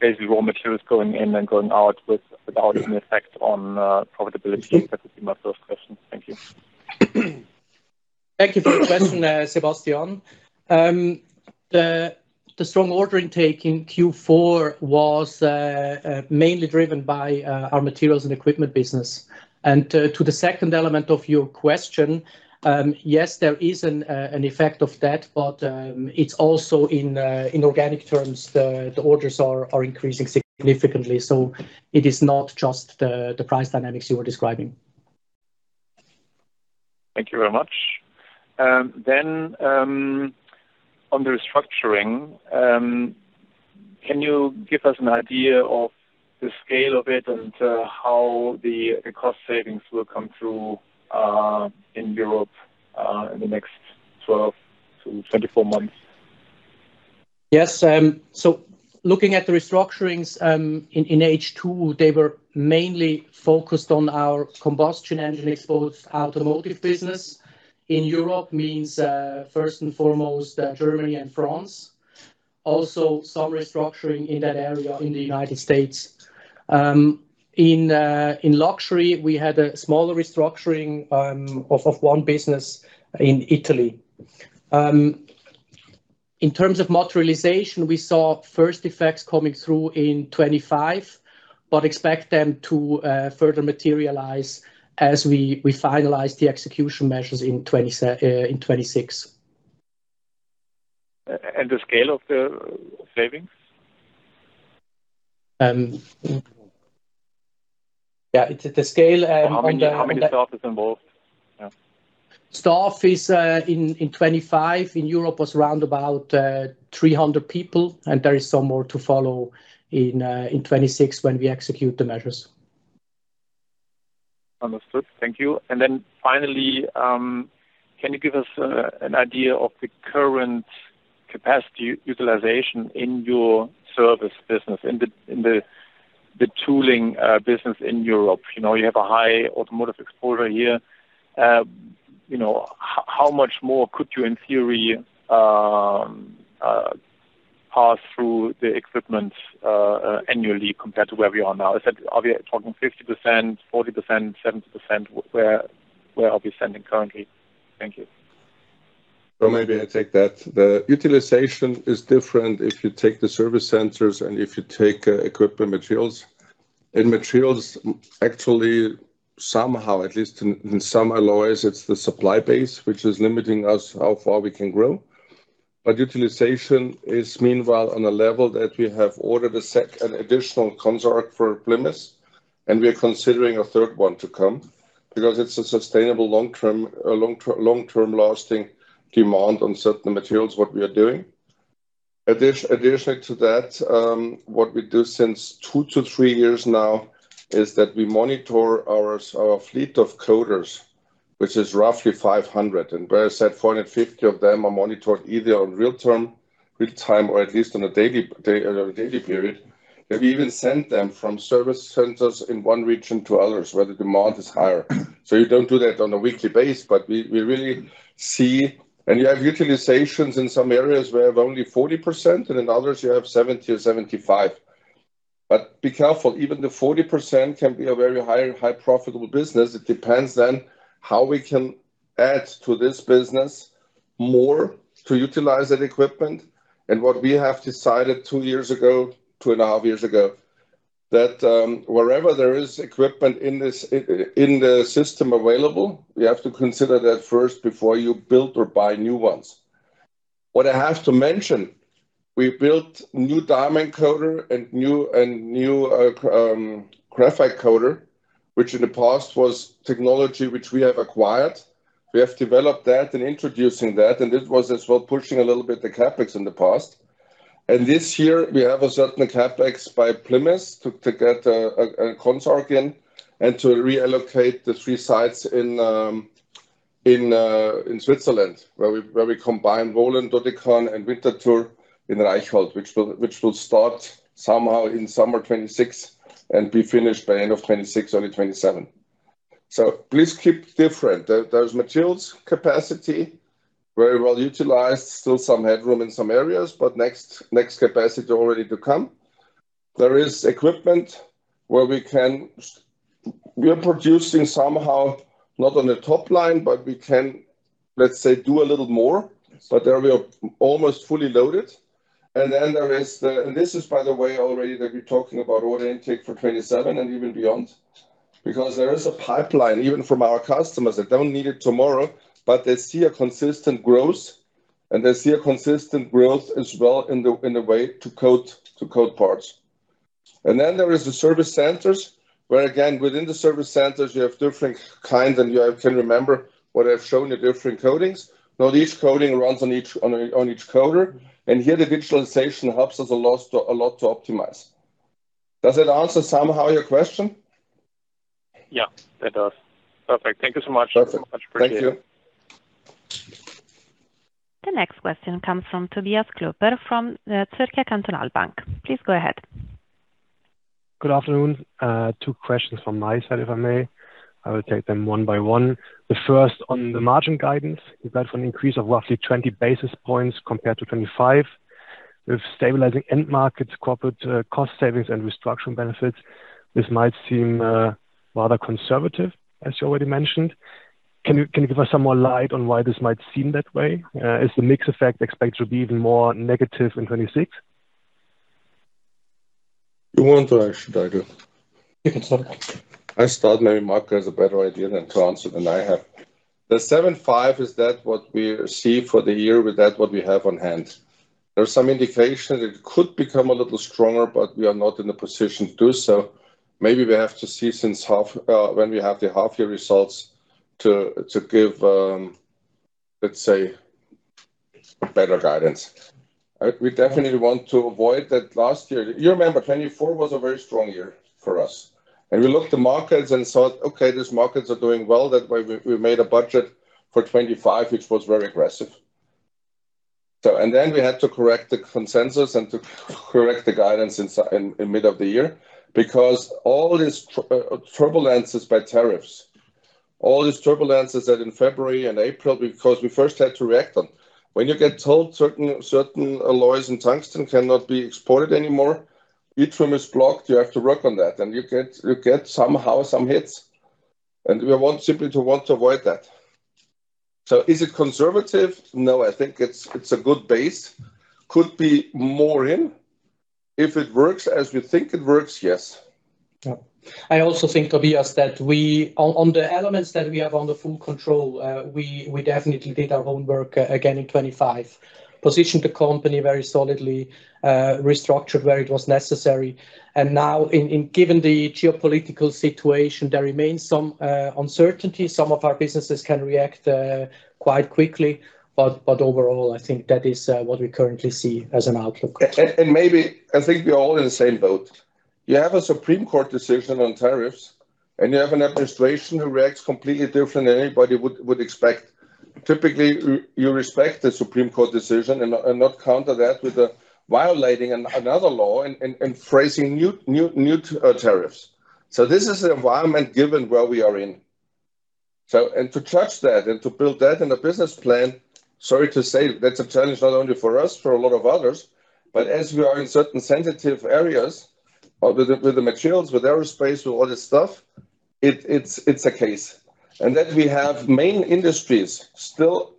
basically raw materials going in and going out without any effect on profitability? That would be my first question. Thank you. Thank you for the question, Sebastian. The strong order intake in Q4 was mainly driven by our materials and equipment business. To the second element of your question, yes, there is an effect of that, but it's also in organic terms, the orders are increasing significantly. It is not just the price dynamics you are describing. Thank you very much. On the restructuring, can you give us an idea of the scale of it and how the cost savings will come through in Europe in the next 12 to 24 months? Yes. Looking at the restructurings, in H2, they were mainly focused on our combustion engine exposed automotive business. In Europe means, first and foremost, Germany and France.... also some restructuring in that area in the United States. In luxury, we had a smaller restructuring of one business in Italy. In terms of materialization, we saw first effects coming through in 25, but expect them to further materialize as we finalize the execution measures in 2026. the scale of the savings? Yeah, it's the scale. How many staff is involved? Yeah. Staff is, in 25, in Europe, was around about 300 people. There is some more to follow in 2026 when we execute the measures. Understood. Thank you. Finally, can you give us an idea of the current capacity utilization in your service business, in the tooling business in Europe? You know, you have a high automotive exposure here. You know, how much more could you, in theory, pass through the equipment annually compared to where we are now? Are we talking 50%, 40%, 70%? Where are we standing currently? Thank you. Maybe I take that. The utilization is different if you take the service centers and if you take equipment materials. In materials, actually, somehow, at least in some alloys, it's the supply base, which is limiting us how far we can grow. Utilization is meanwhile on a level that we have ordered an additional consort for Plymouth, and we are considering a third one to come because it's a sustainable long-term lasting demand on certain materials, what we are doing. Additionally to that, what we do since 2-3 years now is that we monitor our fleet of coaters, which is roughly 500, and where I said 450 of them are monitored either on real-term, real time, or at least on a daily period. We even sent them from service centers in one region to others, where the demand is higher. You don't do that on a weekly base, but we really see... You have utilizations in some areas where you have only 40%, and in others you have 70 or 75. Be careful, even the 40% can be a very high profitable business. It depends then how we can add to this business more to utilize that equipment. What we have decided two years ago, 2.5 years ago, that, wherever there is equipment in the system available, we have to consider that first before you build or buy new ones. What I have to mention, we built new diamond coater and new Graphite coater, which in the past was technology which we have acquired. We have developed that and introducing that, and it was as well pushing a little bit the CapEx in the past. This year we have a certain CapEx by Plymouth to get a consort in and to reallocate the three sites in Switzerland, where we combine Wohlen, Döttingen, and Winterthur in Reichhold, which will start somehow in summer 2026 and be finished by end of 2026, early 2027. Please keep different. There's materials capacity, very well utilized, still some headroom in some areas, but next capacity already to come. There is equipment where we are producing somehow, not on the top line, but we can, let's say, do a little more, but there we are almost fully loaded. Then there is the... This is by the way, already that we're talking about order intake for 2027 and even beyond, because there is a pipeline, even from our customers that don't need it tomorrow, but they see a consistent growth, and they see a consistent growth as well in the, in the way to coat parts. Then there is the service centers, where again, within the service centers, you have different kinds, and you can remember what I've shown you, different coatings. Each coating runs on each coater, and here the virtualization helps us a lot to optimize. Does that answer somehow your question? Yeah, that does. Perfect. Thank you so much. Perfect. Much appreciated. Thank you. The next question comes from Tobias Klöpper, from Zürcher Kantonalbank. Please go ahead. Good afternoon. two questions from my side, if I may. I will take them one by one. The first, on the margin guidance, you've had for an increase of roughly 20 basis points compared to 25, with stabilizing end markets, corporate, cost savings and restructuring benefits. This might seem, rather conservative, as you already mentioned. Can you give us some more light on why this might seem that way? Is the mix effect expected to be even more negative in 2026? You want, or should I do? You can start. I thought maybe Marco has a better idea than to answer than I have. The 75, is that what we see for the year? With that, what we have on hand. There are some indications it could become a little stronger. We are not in a position to do so. Maybe we have to see since half when we have the half-year results to give, let's say, better guidance. We definitely want to avoid that last year. You remember, 2024 was a very strong year for us, and we looked at markets and thought, "Okay, these markets are doing well." That way, we made a budget for 2025, which was very aggressive. We had to correct the consensus and to correct the guidance in mid of the year because all these turbulences by tariffs. all these turbulences that in February and April, because we first had to react on. When you get told certain alloys in tungsten cannot be exported anymore, ytterbium is blocked, you have to work on that, and you get somehow some hits, and we want simply to avoid that. Is it conservative? No, I think it's a good base. Could be more in. If it works as we think it works, yes. Yeah. I also think, Tobias, that we on the elements that we have under full control, we definitely did our homework, again in 2025. Positioned the company very solidly, restructured where it was necessary. Now given the geopolitical situation, there remains some uncertainty. Some of our businesses can react quite quickly, but overall, I think that is what we currently see as an outlook. Maybe I think we're all in the same boat. You have a Supreme Court decision on tariffs, and you have an administration who reacts completely different than anybody would expect. Typically, you respect the Supreme Court decision and not counter that with violating another law and phrasing new tariffs. This is the environment given where we are in. To judge that and to build that in a business plan, sorry to say, that's a challenge not only for us, for a lot of others. As we are in certain sensitive areas, with the materials, with aerospace, with all this stuff, it's a case. That we have main industries still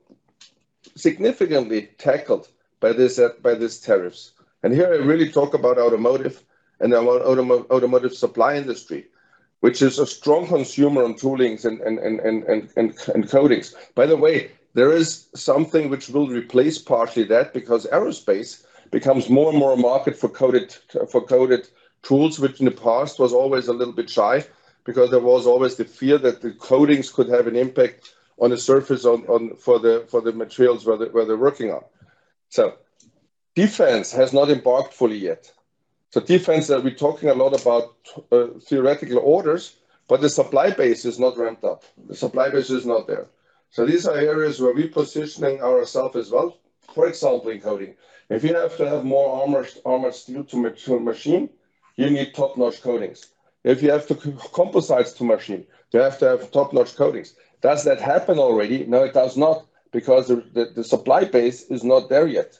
significantly tackled by this tariffs. Here I really talk about automotive and about automotive supply industry, which is a strong consumer on toolings and coatings. By the way, there is something which will replace partially that, because aerospace becomes more and more a market for coated, for coated tools, which in the past was always a little bit shy because there was always the fear that the coatings could have an impact on the surface, on for the materials where they, where they're working on. Defense has not embarked fully yet. Defense, are we talking a lot about theoretical orders, but the supply base is not ramped up. The supply base is not there. These are areas where we're positioning ourselves as well. For example, in coating, if you have to have more armored steel to mature machine, you need top-notch coatings. If you have to composites to machine, you have to have top-notch coatings. Does that happen already? No, it does not, because the supply base is not there yet.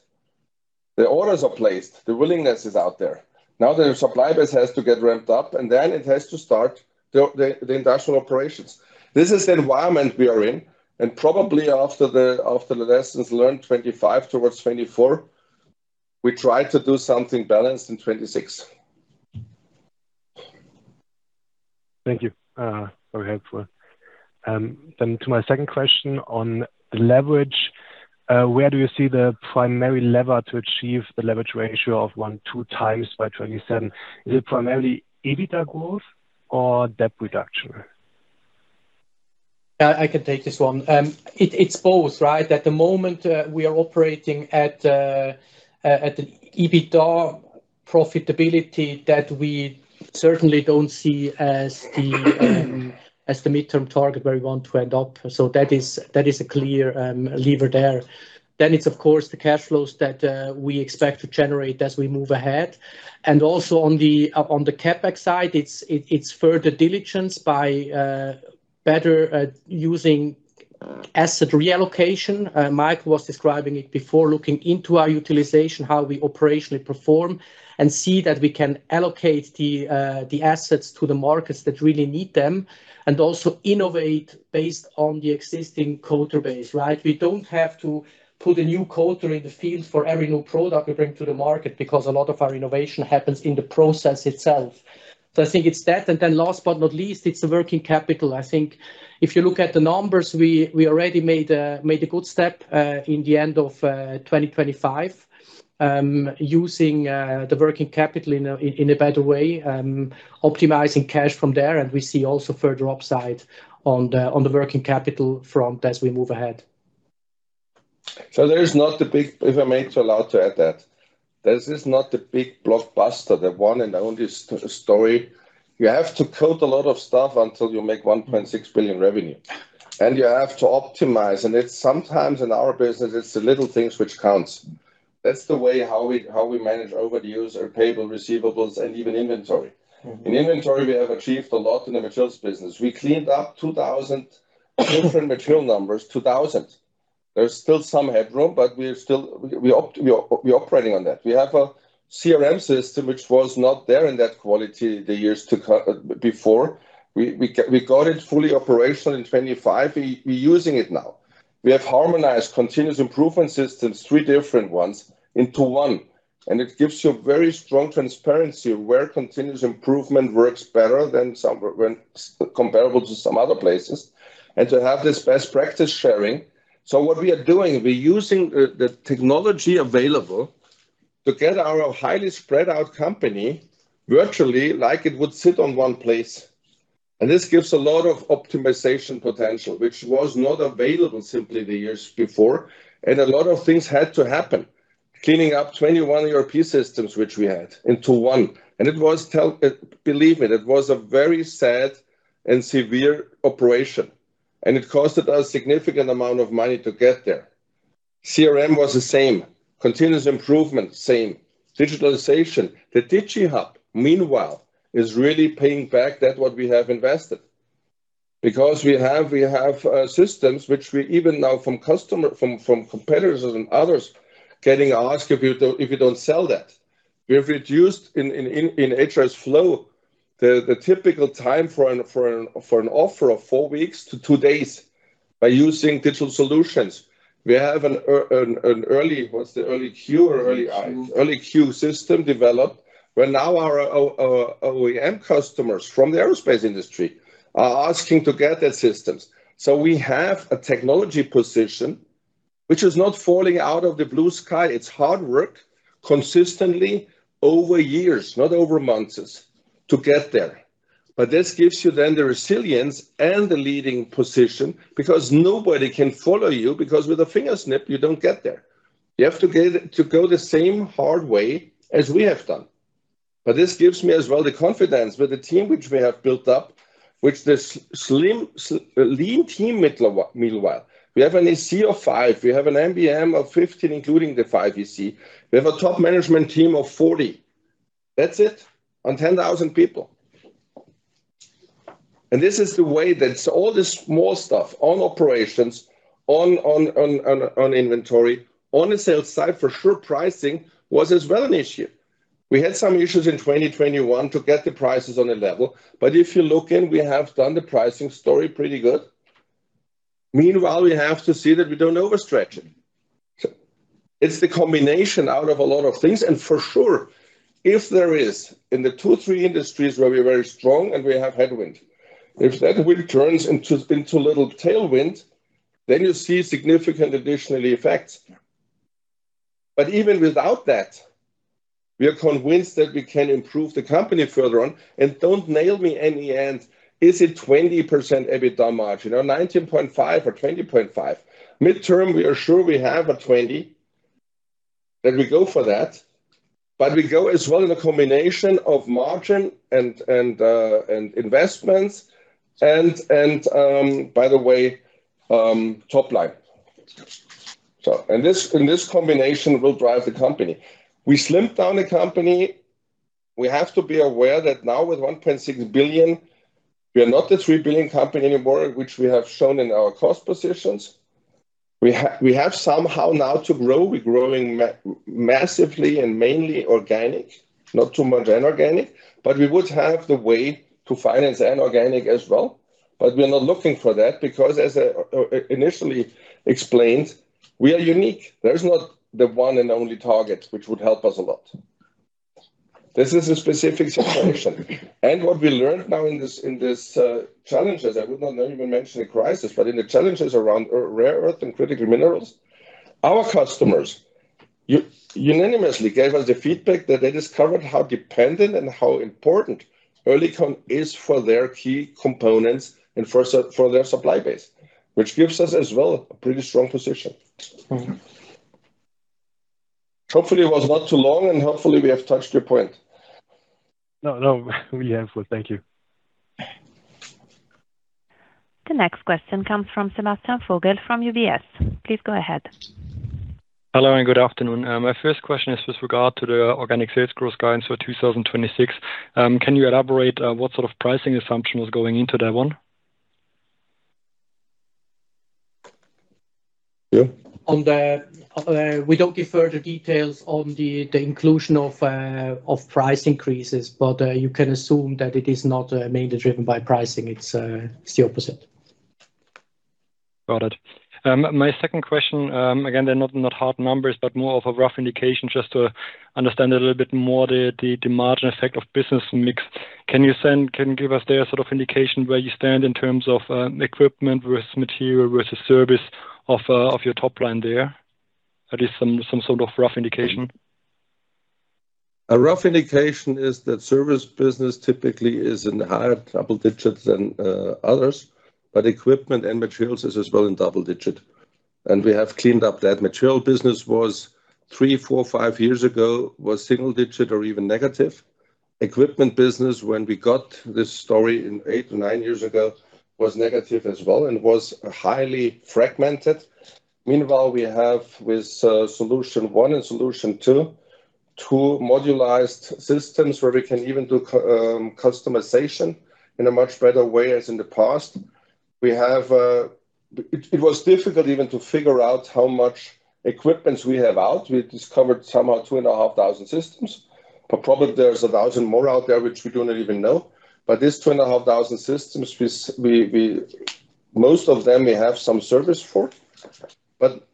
The orders are placed, the willingness is out there. Now, the supply base has to get ramped up, and then it has to start the industrial operations. This is the environment we are in, and probably after the lessons learned 2025 towards 2024, we try to do something balanced in 2026. Thank you. Very helpful. To my second question on the leverage, where do you see the primary lever to achieve the leverage ratio of 1-2x by 2027? Is it primarily EBITDA growth or debt reduction? I can take this one. It's both, right? At the moment, we are operating at the EBITDA profitability that we certainly don't see as the midterm target where we want to end up. That is a clear lever there. It's of course, the cash flows that we expect to generate as we move ahead. Also on the CapEx side, it's further diligence by better using asset reallocation. Mike was describing it before, looking into our utilization, how we operationally perform, and see that we can allocate the assets to the markets that really need them, and also innovate based on the existing coater base, right? We don't have to put a new coater in the field for every new product we bring to the market, because a lot of our innovation happens in the process itself. I think it's that. Last but not least, it's the working capital. I think if you look at the numbers, we already made a good step in the end of 2025, using the working capital in a better way, optimizing cash from there, and we see also further upside on the working capital front as we move ahead. If I may be allowed to add that, this is not the big blockbuster, the one and only story. You have to coat a lot of stuff until you make 1.6 billion revenue, and you have to optimize, and it's sometimes in our business, it's the little things which counts. That's the way how we, how we manage over the years, our payable receivables and even inventory. In inventory, we have achieved a lot in the materials business. We cleaned up 2,000 different material numbers. There's still some headroom, we're operating on that. We have a CRM system, which was not there in that quality the years before. We got it fully operational in 25. We're using it now. We have harmonized continuous improvement systems, 3 different ones into one, it gives you very strong transparency where continuous improvement works better than some... when comparable to some other places, to have this best practice sharing. What we are doing, we're using the technology available to get our highly spread out company virtually like it would sit on one place, this gives a lot of optimization potential, which was not available simply the years before. A lot of things had to happen. Cleaning up 21 ERP systems, which we had, into one, and it was, believe me, it was a very sad and severe operation, and it costed us significant amount of money to get there. CRM was the same, continuous improvement, same. Digitalization, the DigiHub, meanwhile, is really paying back that what we have invested. Because we have systems which we even now from competitors and others, getting asked if you don't sell that. We have reduced in HRSflow, the typical time for an offer of 4 weeks to 2 days by using digital solutions. We have an early, what's the Early Q or early I? Early Q. Early Q system developed, where now our OEM customers from the aerospace industry are asking to get their systems. We have a technology position which is not falling out of the blue sky. It's hard work, consistently over years, not over months, to get there. This gives you then the resilience and the leading position, because nobody can follow you, because with a finger snap, you don't get there. You have to go the same hard way as we have done. This gives me as well, the confidence with the team which we have built up, which this slim lean team meanwhile. We have an CEO of 5. We have an MBM of 15, including the 5 you see. We have a top management team of 40. That's it, on 10,000 people. This is the way that all the small stuff on operations, on inventory, on the sales side, for sure, pricing was as well an issue. We had some issues in 2021 to get the prices on a level. If you look in, we have done the pricing story pretty good. Meanwhile, we have to see that we don't overstretch it. It's the combination out of a lot of things. For sure, if there is, in the two, three industries where we're very strong and we have headwind, if that wind turns into a little tailwind, then you see significant additional effects. Even without that, we are convinced that we can improve the company further on. Don't nail me in the end, is it 20% EBITDA margin or 19.5 or 20.5? Midterm, we are sure we have a 20, then we go for that, but we go as well in a combination of margin and investments, and, by the way, top line. This, and this combination will drive the company. We slimmed down the company. We have to be aware that now with 1.6 billion, we are not a 3 billion company anymore, which we have shown in our cost positions. We have somehow now to grow. We're growing massively and mainly organic, not too much inorganic, but we would have the way to finance inorganic as well. We are not looking for that because as I, initially explained, we are unique. There's not the one and only target, which would help us a lot. This is a specific situation. What we learned now in this, in this challenges, I would not even mention a crisis, but in the challenges around rare earth and critical minerals, our customers unanimously gave us the feedback that they discovered how dependent and how important Oerlikon is for their key components and for their supply base, which gives us as well a pretty strong position. Hopefully it was not too long. Hopefully we have touched your point. No, no, we have. Thank you. The next question comes from Sebastian Vogel from UBS. Please go ahead. Hello, good afternoon. My first question is with regard to the organic sales growth guidance for 2026. Can you elaborate, what sort of pricing assumption was going into that one? Yeah. We don't give further details on the inclusion of price increases, but, you can assume that it is not, mainly driven by pricing. It's, it's the opposite. Got it. My second question, again, they're not hard numbers, but more of a rough indication just to understand a little bit more the margin effect of business mix. Can you give us there a sort of indication where you stand in terms of equipment versus material versus service of your top line there? At least some sort of rough indication. A rough indication is that service business typically is in higher double digits than others, but equipment and materials is as well in double digit, and we have cleaned up that. Material business was 3, 4, 5 years ago, was single digit or even negative. Equipment business, when we got this story in 8-9 years ago, was negative as well and was highly fragmented. Meanwhile, we have with solution one and solution two modularized systems where we can even do customization in a much better way as in the past. It was difficult even to figure out how much equipments we have out. We discovered somehow 2,500 systems, but probably there's 1,000 more out there which we do not even know. These 2,500 systems, we most of them we have some service for, but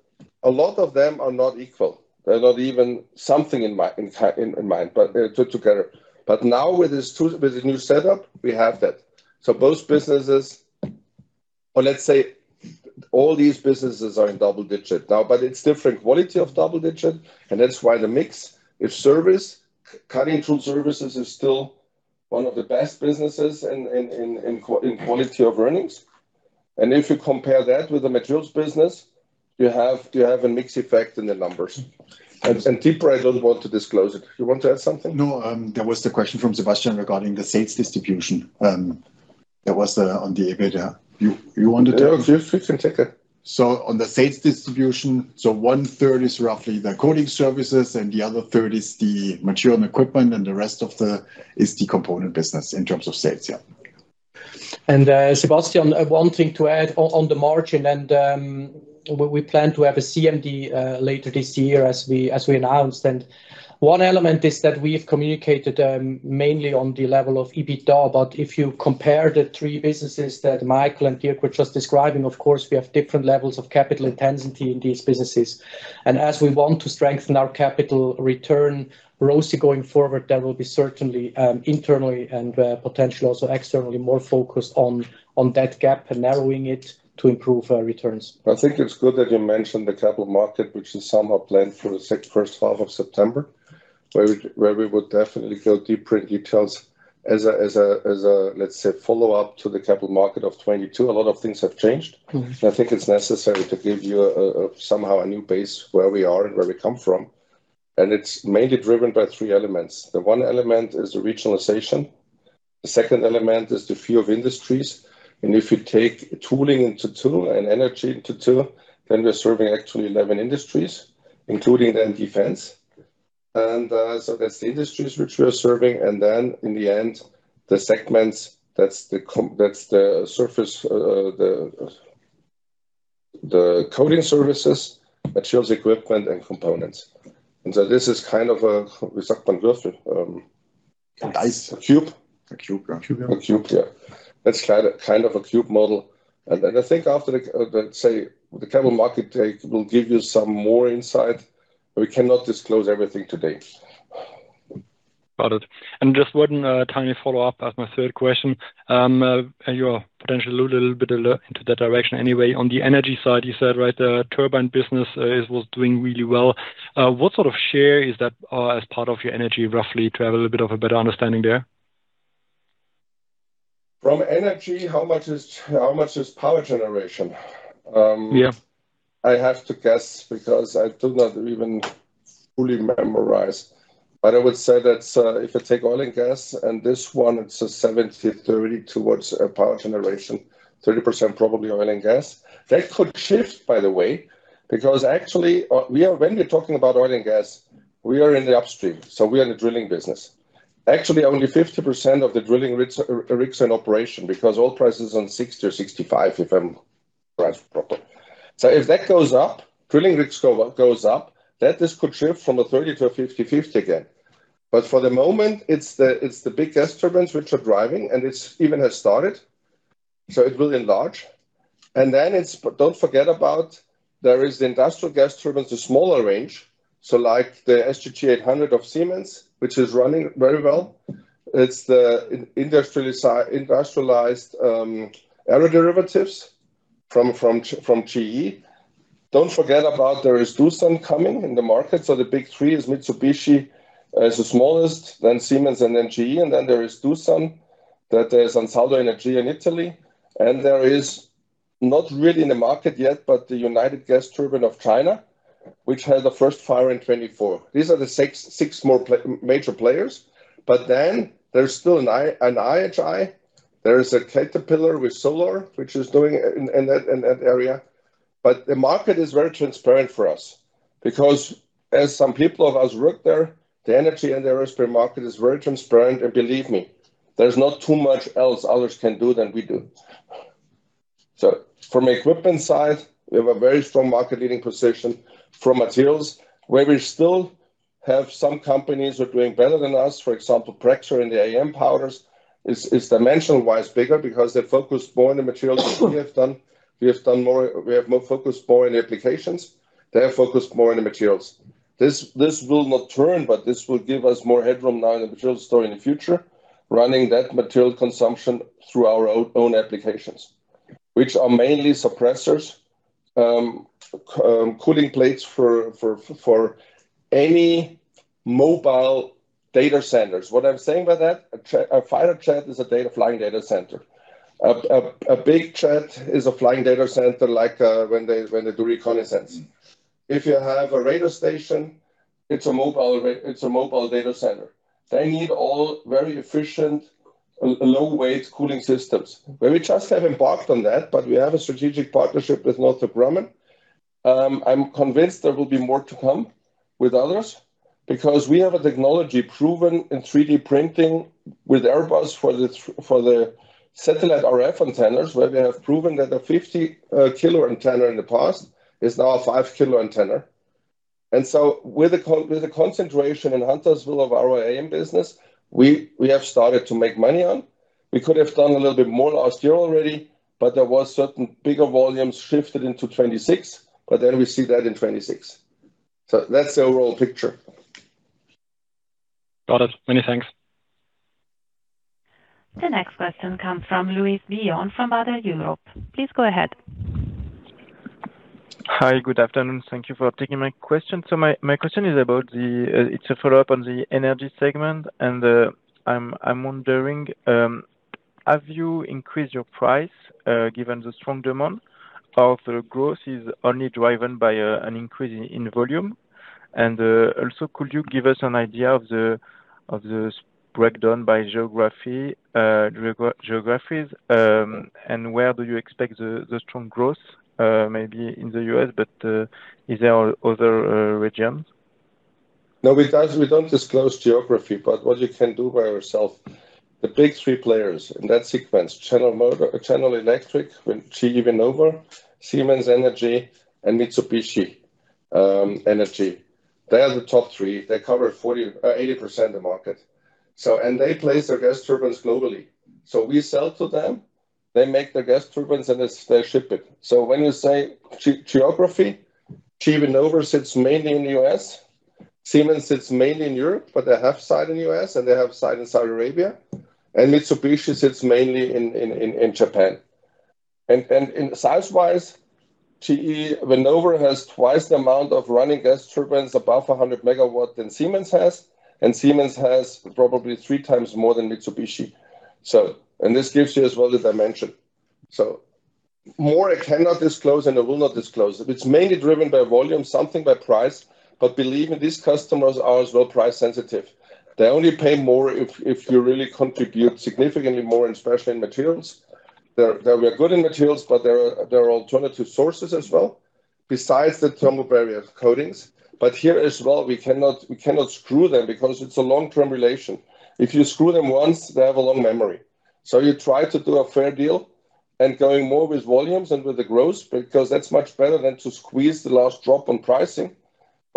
a lot of them are not equal. They're not even something in mind, but to, together. Now, with this with the new setup, we have that. Both businesses, or let's say all these businesses are in double digit now, but it's different quality of double digit, and that's why the mix. If service, cutting tool services is still one of the best businesses in quality of earnings, and if you compare that with the materials business, you have a mix effect in the numbers. Tipra, I don't want to disclose it. You want to add something? No, that was the question from Sebastian regarding the sales distribution. That was on the EBITDA. You want to tell? Yeah, you can take it. On the sales distribution, one third is roughly the coating services and the other third is the material and equipment, and the rest is the component business in terms of sales. Yeah. Sebastian, one thing to add on the margin and we plan to have a CMD later this year as we announced. One element is that we have communicated mainly on the level of EBITDA, but if you compare the three businesses that Michael and Dirk were just describing, of course, we have different levels of capital intensity in these businesses. As we want to strengthen our capital return, ROSI going forward, that will be certainly internally and potentially also externally more focused on that gap and narrowing it to improve our returns. I think it's good that you mentioned the capital market, which is somehow planned for the first half of September, where we would definitely go deeper in details as a, let's say, follow-up to the capital market of 2022. A lot of things have changed. I think it's necessary to give you a somehow a new base where we are and where we come from, and it's mainly driven by 3 elements. The one element is the regionalization, the second element is the few of industries, and if you take tooling into two and energy into two, then we're serving actually 11 industries, including then defense. So that's the industries which we are serving, and then in the end, the segments, that's the surface, the coating services, materials, equipment, and components. This is kind of a. Nice. A cube. A cube. A cube, yeah. A cube, yeah. That's kind of a cube model. I think after the, let's say, the capital market take, we'll give you some more insight. We cannot disclose everything today. Got it. Just one tiny follow-up as my third question. You are potentially a little bit into that direction anyway. On the energy side, you said, right, the turbine business is, was doing really well. What sort of share is that, as part of your energy, roughly, to have a little bit of a better understanding there? From energy, how much is-- how much is power generation? Yeah. I have to guess, because I do not even fully memorize, but I would say that, if I take oil and gas, and this one, it's a 70/30 towards power generation, 30% probably oil and gas. That could shift, by the way, because actually, when we're talking about oil and gas, we are in the upstream, so we are in the drilling business. Actually, only 50% of the drilling rigs are rigs in operation, because oil price is on 60 or 65, if I'm right, probably. If that goes up, drilling rigs go up, that this could shift from a 30 to a 50/50 again. For the moment, it's the big gas turbines which are driving, and it's even has started, so it will enlarge. Then it's... Don't forget about, there is the industrial gas turbines, the smaller range. Like the SGT-800 of Siemens, which is running very well. It's the industrialized aeroderivatives from GE. Don't forget about there is Doosan coming in the market. The big three is Mitsubishi as the smallest, then Siemens and then GE. Then there is Doosan, that is Ansaldo Energia in Italy. There is not really in the market yet, but the United Gas Turbine of China, which had the first fire in 2024. These are the 6 major players. There's still an IHI. There is a Caterpillar with Solar Turbines, which is doing in that area. The market is very transparent for us because as some people of us work there, the energy and the aerospace market is very transparent, and believe me, there's not too much else others can do than we do. From equipment side, we have a very strong market-leading position. From materials, where we still have some companies who are doing better than us, for example, Praxair in the AM powders, is dimensional wise bigger because they're focused more on the materials than we have done. We have more focused more in the applications. They are focused more on the materials. This will not turn, but this will give us more headroom now in the material store in the future, running that material consumption through our own applications, which are mainly suppressors, cooling plates for any mobile data centers. What I'm saying by that, a fighter jet is a flying data center. A big jet is a flying data center, like when they do reconnaissance. If you have a radar station, it's a mobile data center. They need all very efficient, low weight cooling systems. Where we just have embarked on that, but we have a strategic partnership with Northrop Grumman. I'm convinced there will be more to come with others, because we have a technology proven in 3D printing with Airbus for the satellite RF antennas, where we have proven that a 50 kilo antenna in the past is now a 5 kilo antenna. With the concentration in Huntersville of our AM business, we have started to make money on. We could have done a little bit more last year already, but there was certain bigger volumes shifted into 2026, but then we see that in 2026. That's the overall picture. Got it. Many thanks. The next question comes from Louis Vion from. [inaudible] Please go ahead. Hi, good afternoon. Thank you for taking my question. My question is about the. It's a follow-up on the energy segment, and I'm wondering, have you increased your price given the strong demand, or the growth is only driven by an increase in volume? Also could you give us an idea of the breakdown by geography, geographies? Where do you expect the strong growth, maybe in the U.S., is there other regions? No, we don't, we don't disclose geography, but what you can do by yourself, the big 3 players in that sequence, General Electric, when GE Vernova, Siemens Energy, and Mitsubishi Power. They are the top three. They cover 40, 80% of the market. They place their gas turbines globally. We sell to them, they make their gas turbines, and they ship it. When you say geography, GE Vernova sits mainly in the U.S., Siemens sits mainly in Europe, but they have site in U.S., and they have site in Saudi Arabia, and Mitsubishi Power sits mainly in Japan. Size-wise, GE Vernova has twice the amount of running gas turbines above 100 MW than Siemens has, and Siemens has probably 3 times more than Mitsubishi Power. This gives you as well the dimension. More I cannot disclose, and I will not disclose. It's mainly driven by volume, something by price, but believe me, these customers are as well price sensitive. They only pay more if you really contribute significantly more, and especially in materials. There we are good in materials, but there are alternative sources as well, besides the thermal barrier coatings. Here as well, we cannot screw them because it's a long-term relation. If you screw them once, they have a long memory. You try to do a fair deal and going more with volumes and with the growth, because that's much better than to squeeze the last drop on pricing.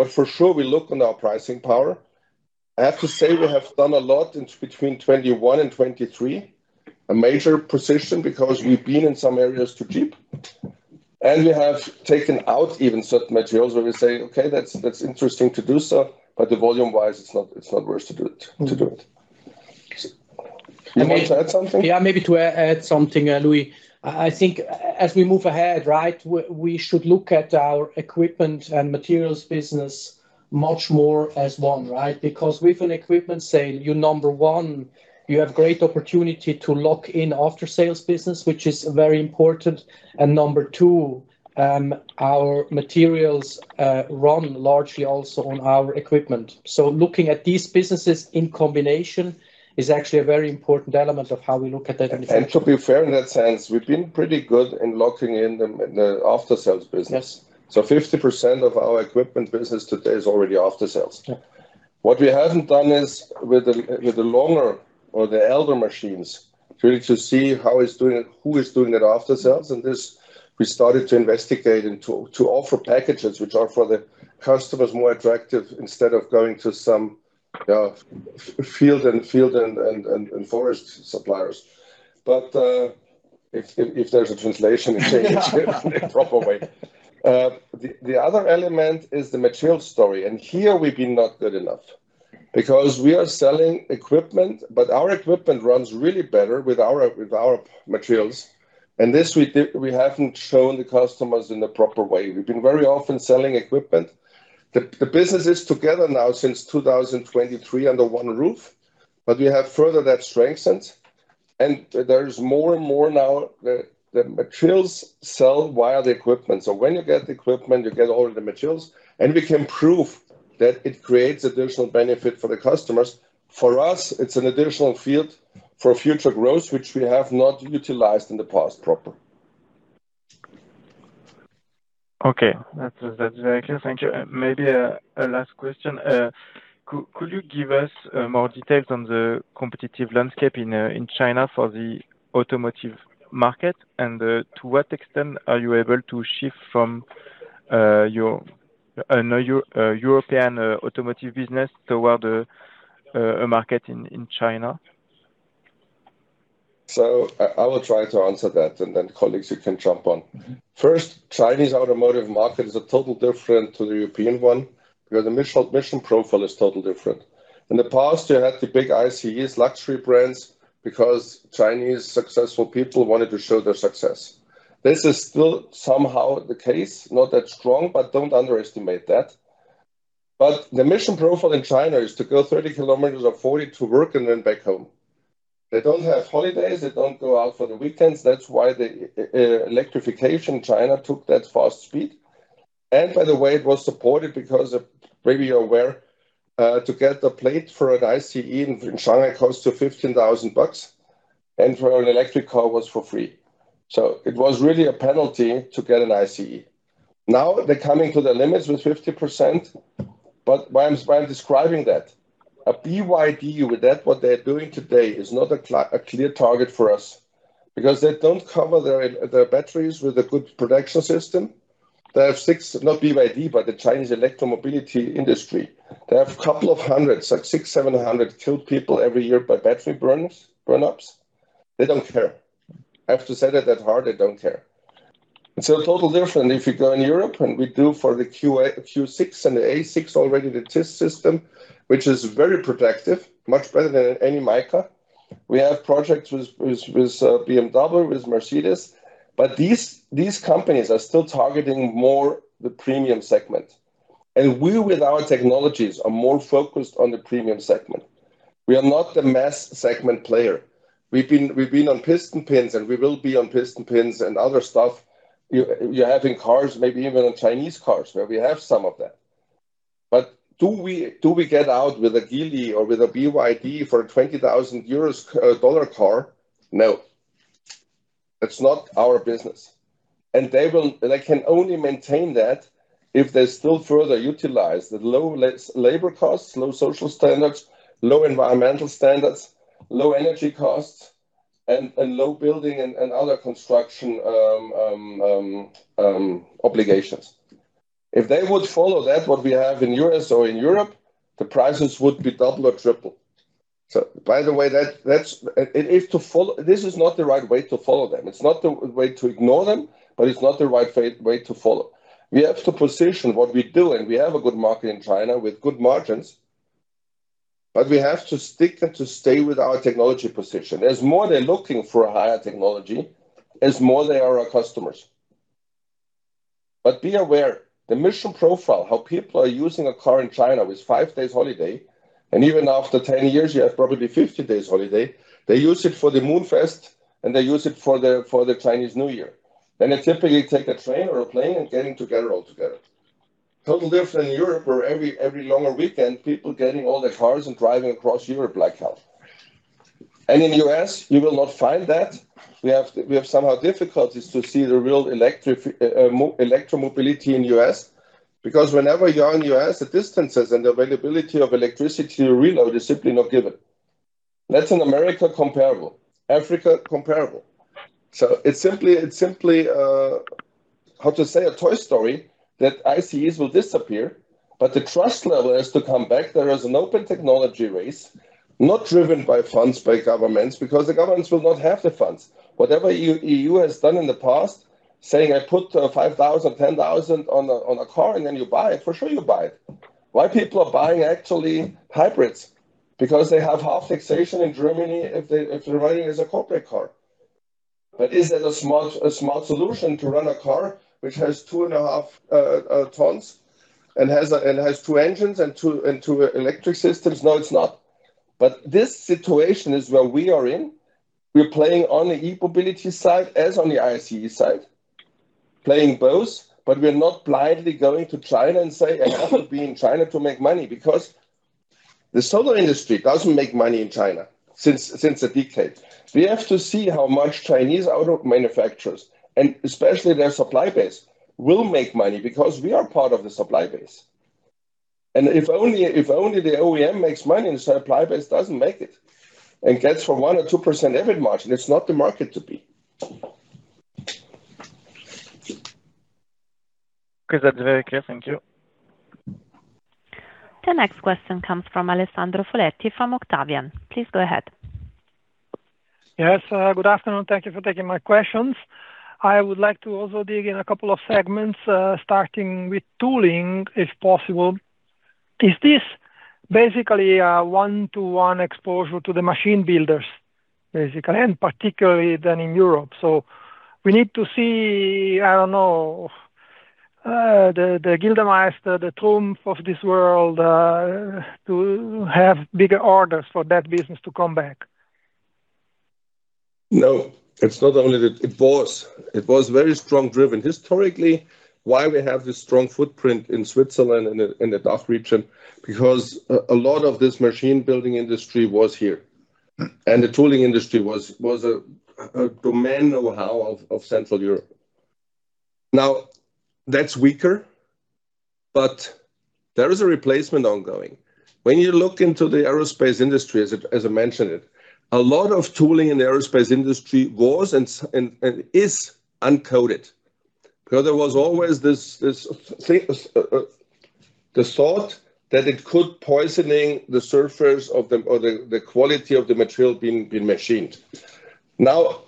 For sure, we look on our pricing power. I have to say, we have done a lot between 2021 and 2023, a major position, because we've been in some areas too cheap, and we have taken out even certain materials where we say, "Okay, that's interesting to do so, but the volume-wise, it's not worth to do it." You want to add something? Maybe to add something, Louis. I think as we move ahead, we should look at our equipment and materials business much more as one, right? Because with an equipment sale, you number 1, you have great opportunity to lock in aftersales business, which is very important. Number 2, our materials run largely also on our equipment. Looking at these businesses in combination is actually a very important element of how we look at. To be fair, in that sense, we've been pretty good in locking in the aftersales business. Yes. 50% of our equipment business today is already aftersales. Yeah. What we haven't done is with the longer or the elder machines, really to see how it's doing it, who is doing it aftersales, and this we started to investigate and to offer packages which are for the customers more attractive, instead of going to some field and forest suppliers. If there's a translation in a proper way. The other element is the material story. Here we've been not good enough because we are selling equipment, our equipment runs really better with our materials, and this we haven't shown the customers in a proper way. We've been very often selling equipment. The business is together now since 2023 under one roof, but we have further that strengthened, and there is more and more now the materials sell via the equipment. When you get the equipment, you get all the materials, and we can prove that it creates additional benefit for the customers. For us, it's an additional field for future growth, which we have not utilized in the past properly. Okay. That's very clear. Thank you. Maybe a last question. Could you give us more details on the competitive landscape in China for the automotive market? To what extent are you able to shift from your European automotive business toward a market in China? I will try to answer that, and then, colleagues, you can jump on. Chinese automotive market is totally different to the European one, because the mission profile is totally different. In the past, you had the big ICEs luxury brands, because Chinese successful people wanted to show their success. This is still somehow the case, not that strong, don't underestimate that. The mission profile in China is to go 30 km or 40 to work and then back home. They don't have holidays. They don't go out for the weekends. That's why the electrification, China took that fast speed, and by the way, it was supported because of... Maybe you're aware, to get the plate for an ICE in Shanghai costs to CHF 15,000, for an electric car was for free. It was really a penalty to get an ICE. Now, they're coming to the limits with 50%. Why I'm describing that, a BYD with that, what they're doing today is not a clear target for us, because they don't cover their batteries with a good production system. They have six. Not BYD, but the Chinese electromobility industry, they have couple of 100, like 600, 700 killed people every year by battery burn ups. They don't care. I have to say that hard, they don't care. It's a total different if you go in Europe, and we do for the QI, Q6 and the A6 already the test system, which is very protective, much better than any mica. We have projects with BMW, with Mercedes, but these companies are still targeting more the premium segment, and we, with our technologies, are more focused on the premium segment. We are not the mass segment player. We've been on piston pins, and we will be on piston pins and other stuff. You're having cars, maybe even on Chinese cars, where we have some of that. Do we get out with a Geely or with a BYD for 20,000 euros dollar car? No. It's not our business, they can only maintain that if they still further utilize the low labor costs, low social standards, low environmental standards, low energy costs, and low building and other construction obligations. If they would follow that, what we have in U.S. or in Europe, the prices would be double or triple. By the way, that's not the right way to follow them. It's not the way to ignore them, but it's not the right way to follow. We have to position what we do, and we have a good market in China with good margins, but we have to stick and to stay with our technology position. As more they're looking for a higher technology, as more they are our customers. Be aware, the mission profile, how people are using a car in China, with 5 days holiday, and even after 10 years, you have probably 50 days holiday. They use it for the Moon Fest, and they use it for the Chinese New Year. They typically take a train or a plane and getting together altogether. Total different in Europe, where every longer weekend, people getting all their cars and driving across Europe like hell. In U.S., you will not find that. We have somehow difficulties to see the real electric electro mobility in U.S. because whenever you are in U.S., the distances and the availability of electricity to reload is simply not given. That's an America comparable, Africa comparable. It's simply how to say, a toy story, that ICEs will disappear, but the trust level is to come back. There is an open technology race, not driven by funds, by governments, because the governments will not have the funds. Whatever EU has done in the past, saying, "I put 5,000, 10,000 on a, on a car, and then you buy it," for sure, you buy it. Why people are buying actually hybrids? Because they have half taxation in Germany if they're running as a corporate car. Is that a smart, a smart solution to run a car which has two and a half tons and has two engines and two electric systems? No, it's not. This situation is where we are in. We're playing on the e-mobility side as on the ICE side. Playing both, we're not blindly going to China and say, "I have to be in China to make money," because the solar industry doesn't make money in China since a decade. We have to see how much Chinese auto manufacturers, and especially their supply base, will make money, because we are part of the supply base. If only the OEM makes money and the supply base doesn't make it, and gets from 1% or 2% profit margin, it's not the market to be. Okay, that's very clear. Thank you. The next question comes from Alessandro Foletti, from Octavian. Please go ahead. Yes, good afternoon. Thank you for taking my questions. I would like to also dig in a couple of segments, starting with tooling, if possible. Is this basically a one-to-one exposure to the machine builders, basically, and particularly than in Europe? We need to see, I don't know, the Gildemeister, the TRUMPF of this world, to have bigger orders for that business to come back. No, it's not only that. It was very strong driven. Historically, why we have this strong footprint in Switzerland, in the DACH region? Because a lot of this machine building industry was here, and the tooling industry was a domain know-how of Central Europe. Now, that's weaker, but there is a replacement ongoing. When you look into the aerospace industry, as I mentioned it, a lot of tooling in the aerospace industry was and is uncoated, because there was always this... The thought that it could poisoning the surface of or the quality of the material being machined. More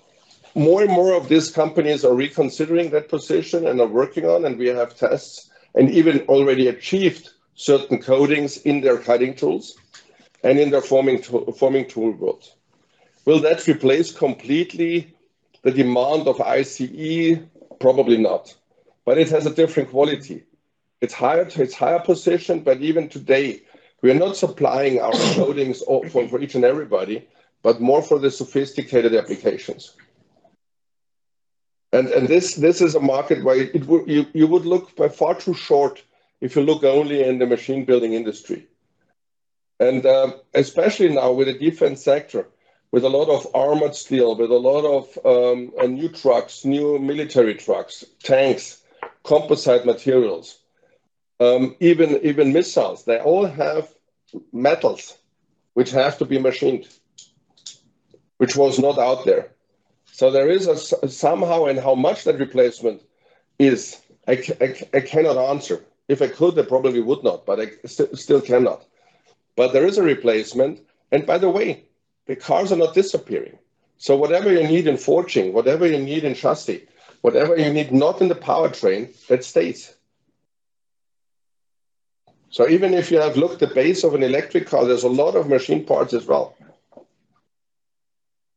and more of these companies are reconsidering that position and are working on, and we have tests, and even already achieved certain coatings in their cutting tools and in their forming tool world. Will that replace completely the demand of ICE? Probably not, but it has a different quality. It's higher position, but even today, we are not supplying our coatings for each and everybody, but more for the sophisticated applications. This is a market where you would look by far too short if you look only in the machine-building industry. Especially now with the defense sector, with a lot of armored steel, with a lot of new trucks, new military trucks, tanks, composite materials, even missiles, they all have metals which have to be machined, which was not out there. There is a somehow, and how much that replacement is, I cannot answer. If I could, I probably would not, but I still cannot. There is a replacement, and by the way, the cars are not disappearing. Whatever you need in forging, whatever you need in trusting, whatever you need, not in the powertrain, that stays. Even if you have looked the base of an electric car, there's a lot of machine parts as well.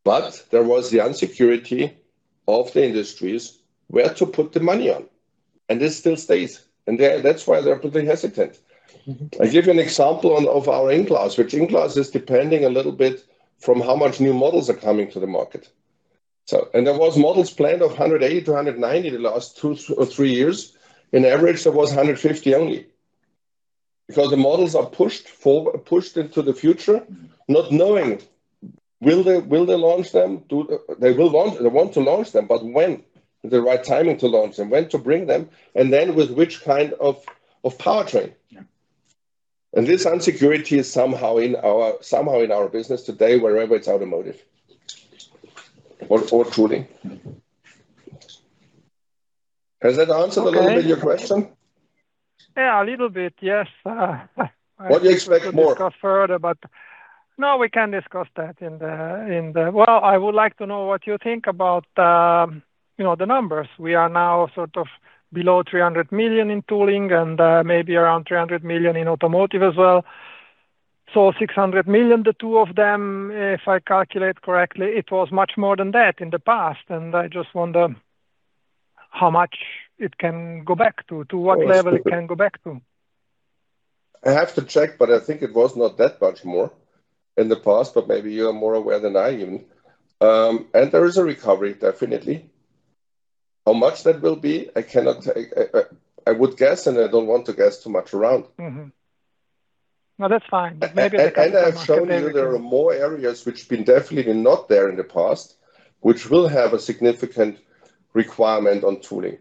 There was the insecurity of the industries where to put the money on, and this still stays, and that's why they're pretty hesitant. I give you an example of our in-class, which in-class is depending a little bit from how much new models are coming to the market. There was models planned of 108 to 190 the last two or three years. In average, there was 150 only. Because the models are pushed forward, pushed into the future, not knowing will they, will they launch them? They want to launch them, but when is the right timing to launch them, when to bring them, and then with which kind of powertrain? Yeah. This unsecurity is somehow in our business today, wherever it's automotive or tooling. Has that answered a little bit your question? Yeah, a little bit. Yes. What do you expect more? Discuss further. No, we can discuss that in the. I would like to know what you think about, you know, the numbers. We are now sort of below 300 million in tooling and, maybe around 300 million in automotive as well. 600 million, the two of them, if I calculate correctly, it was much more than that in the past, and I just wonder how much it can go back to what level? it can go back to? I have to check, but I think it was not that much more in the past, but maybe you are more aware than I even. There is a recovery, definitely. How much that will be, I cannot tell. I would guess, and I don't want to guess too much around. Mm-hmm. No, that's fine. Maybe I can- I've shown you there are more areas which been definitely not there in the past, which will have a significant requirement on tooling.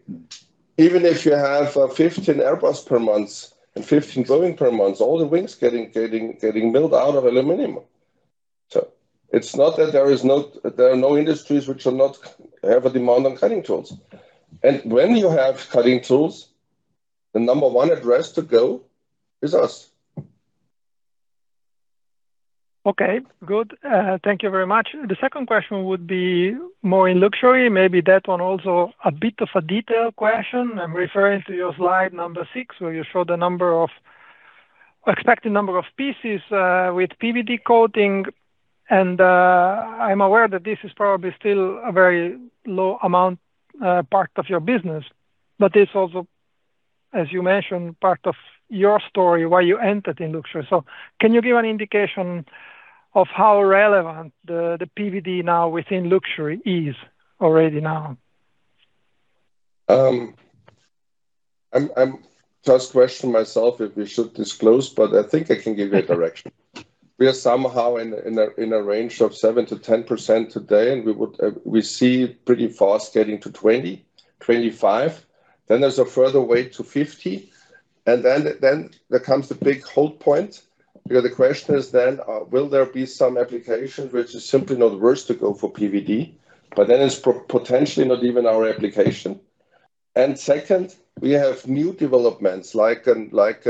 Even if you have 15 Airbus per month and 15 Boeing per month, all the wings getting built out of aluminum. It's not that there are no industries which will not have a demand on cutting tools. When you have cutting tools, the number 1 address to go is us. Okay, good. Thank you very much. The second question would be more in luxury. Maybe that one also a bit of a detail question. I'm referring to your slide number 6, where you show the expected number of pieces with PVD coating, and I'm aware that this is probably still a very low amount, part of your business, but it's also, as you mentioned, part of your story, why you entered in luxury. Can you give an indication of how relevant the PVD now within luxury is already now? I'm just questioning myself if we should disclose, but I think I can give you a direction. We are somehow in a range of 7%-10% today, and we see it pretty fast getting to 20, 25. Then there's a further way to 50, and then there comes the big hold point, because the question is then, will there be some application which is simply not worth to go for PVD? Then it's potentially not even our application. Second, we have new developments like in black,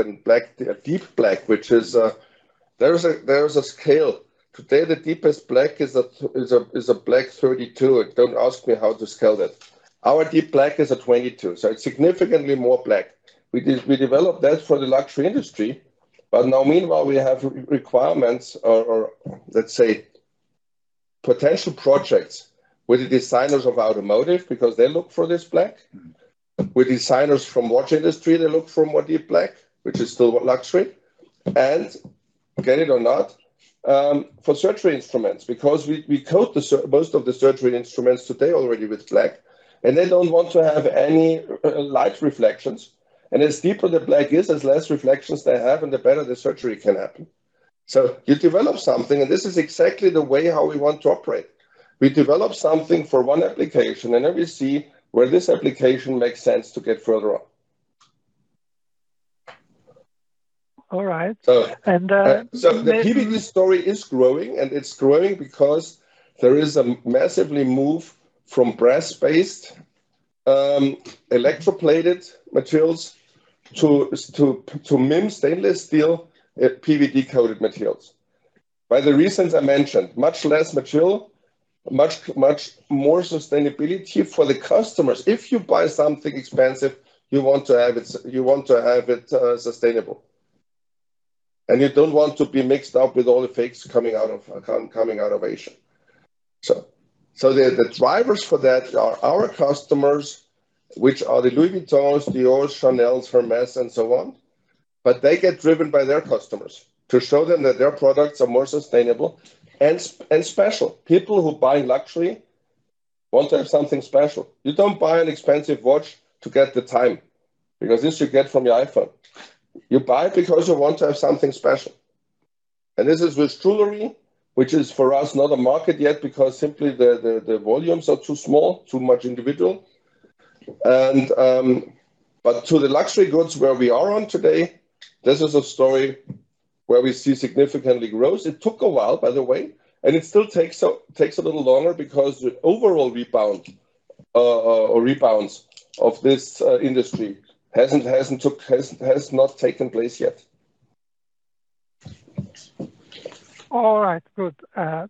deep black, which is. There is a scale. Today, the deepest black is a black 32. Don't ask me how to scale that. Our deep black is a 22, so it's significantly more black. We developed that for the luxury industry. Now meanwhile, we have requirements or let's say potential projects with the designers of automotive, because they look for this black. With designers from watch industry, they look for more deep black, which is still luxury, and get it or not, for surgery instruments, because we coat the most of the surgery instruments today already with black, and they don't want to have any light reflections. As deeper the black is, there's less reflections they have, and the better the surgery can happen. You develop something, and this is exactly the way how we want to operate. We develop something for one application. Then we see where this application makes sense to get further on. All right. So- And. The PVD story is growing, and it's growing because there is a massively move from brass-based, electroplated materials to MIM stainless steel, PVD-coated materials. By the reasons I mentioned, much less material, much more sustainability for the customers. If you buy something expensive, you want to have it sustainable, and you don't want to be mixed up with all the fakes coming out of Asia. The drivers for that are our customers, which are the Louis Vuitton, Dior, Chanel, Hermès, and so on, but they get driven by their customers to show them that their products are more sustainable and special. People who buy luxury want to have something special. You don't buy an expensive watch to get the time, because this you get from your iPhone. You buy it because you want to have something special, and this is with jewelry, which is for us, not a market yet because simply the volumes are too small, too much individual. To the luxury goods where we are on today, this is a story where we see significantly growth. It took a while, by the way, and it still takes a little longer because the overall rebound or rebounds of this industry has not taken place yet. All right. Good.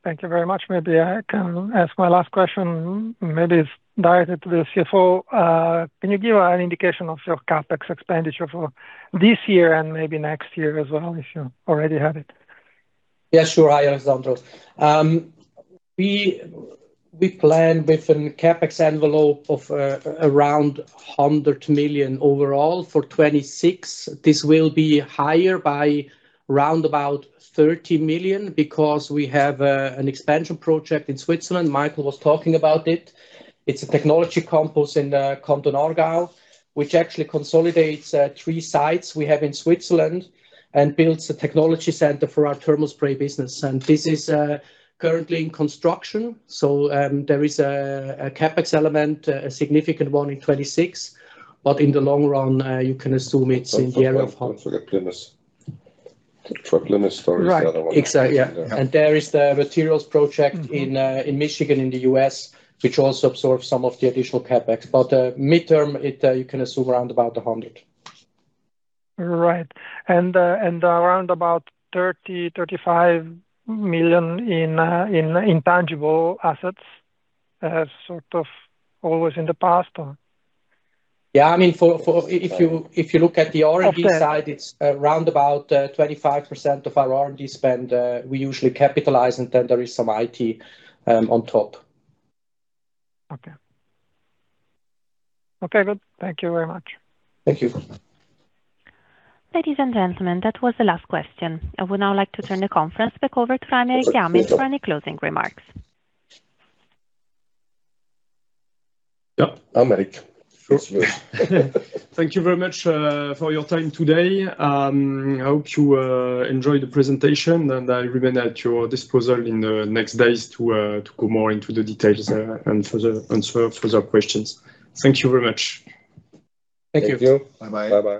Thank you very much. Maybe I can ask my last question, maybe it's directed to the CFO. Can you give an indication of your CapEx expenditure for this year and maybe next year as well, if you already have it? Yeah, sure. Hi, Alessandro. We plan with an CapEx envelope of around 100 million overall for 2026. This will be higher by roundabout 30 million because we have an expansion project in Switzerland. Michael was talking about it. It's a technology campus in the Canton Aargau, which actually consolidates three sites we have in Switzerland and builds a technology center for our thermal spray business. This is currently in construction. There is a CapEx element, a significant one in 2026, but in the long run, you can assume it's in the area of- Don't forget Plymouth. For Plymouth story, the other one. Right. Exactly, yeah. Yeah. There is the materials project.... in Michigan, in the US, which also absorbs some of the additional CapEx. midterm, it, you can assume around about 100. Right. around about 35 million in tangible assets, sort of always in the past or? Yeah, I mean, for if you look at the R&D side. Okay... it's around about, 25% of our R&D spend, we usually capitalize, and then there is some IT, on top. Okay. Okay, good. Thank you very much. Thank you. Ladies and gentlemen, that was the last question. I would now like to turn the conference back over to Aymeric Jammard for any closing remarks. Yeah, Aymeric. It's you. Thank you very much, for your time today. I hope you enjoyed the presentation, and I remain at your disposal in the next days to go more into the details, and further answer further questions. Thank you very much. Thank you. Thank you. Bye-bye. Bye-bye.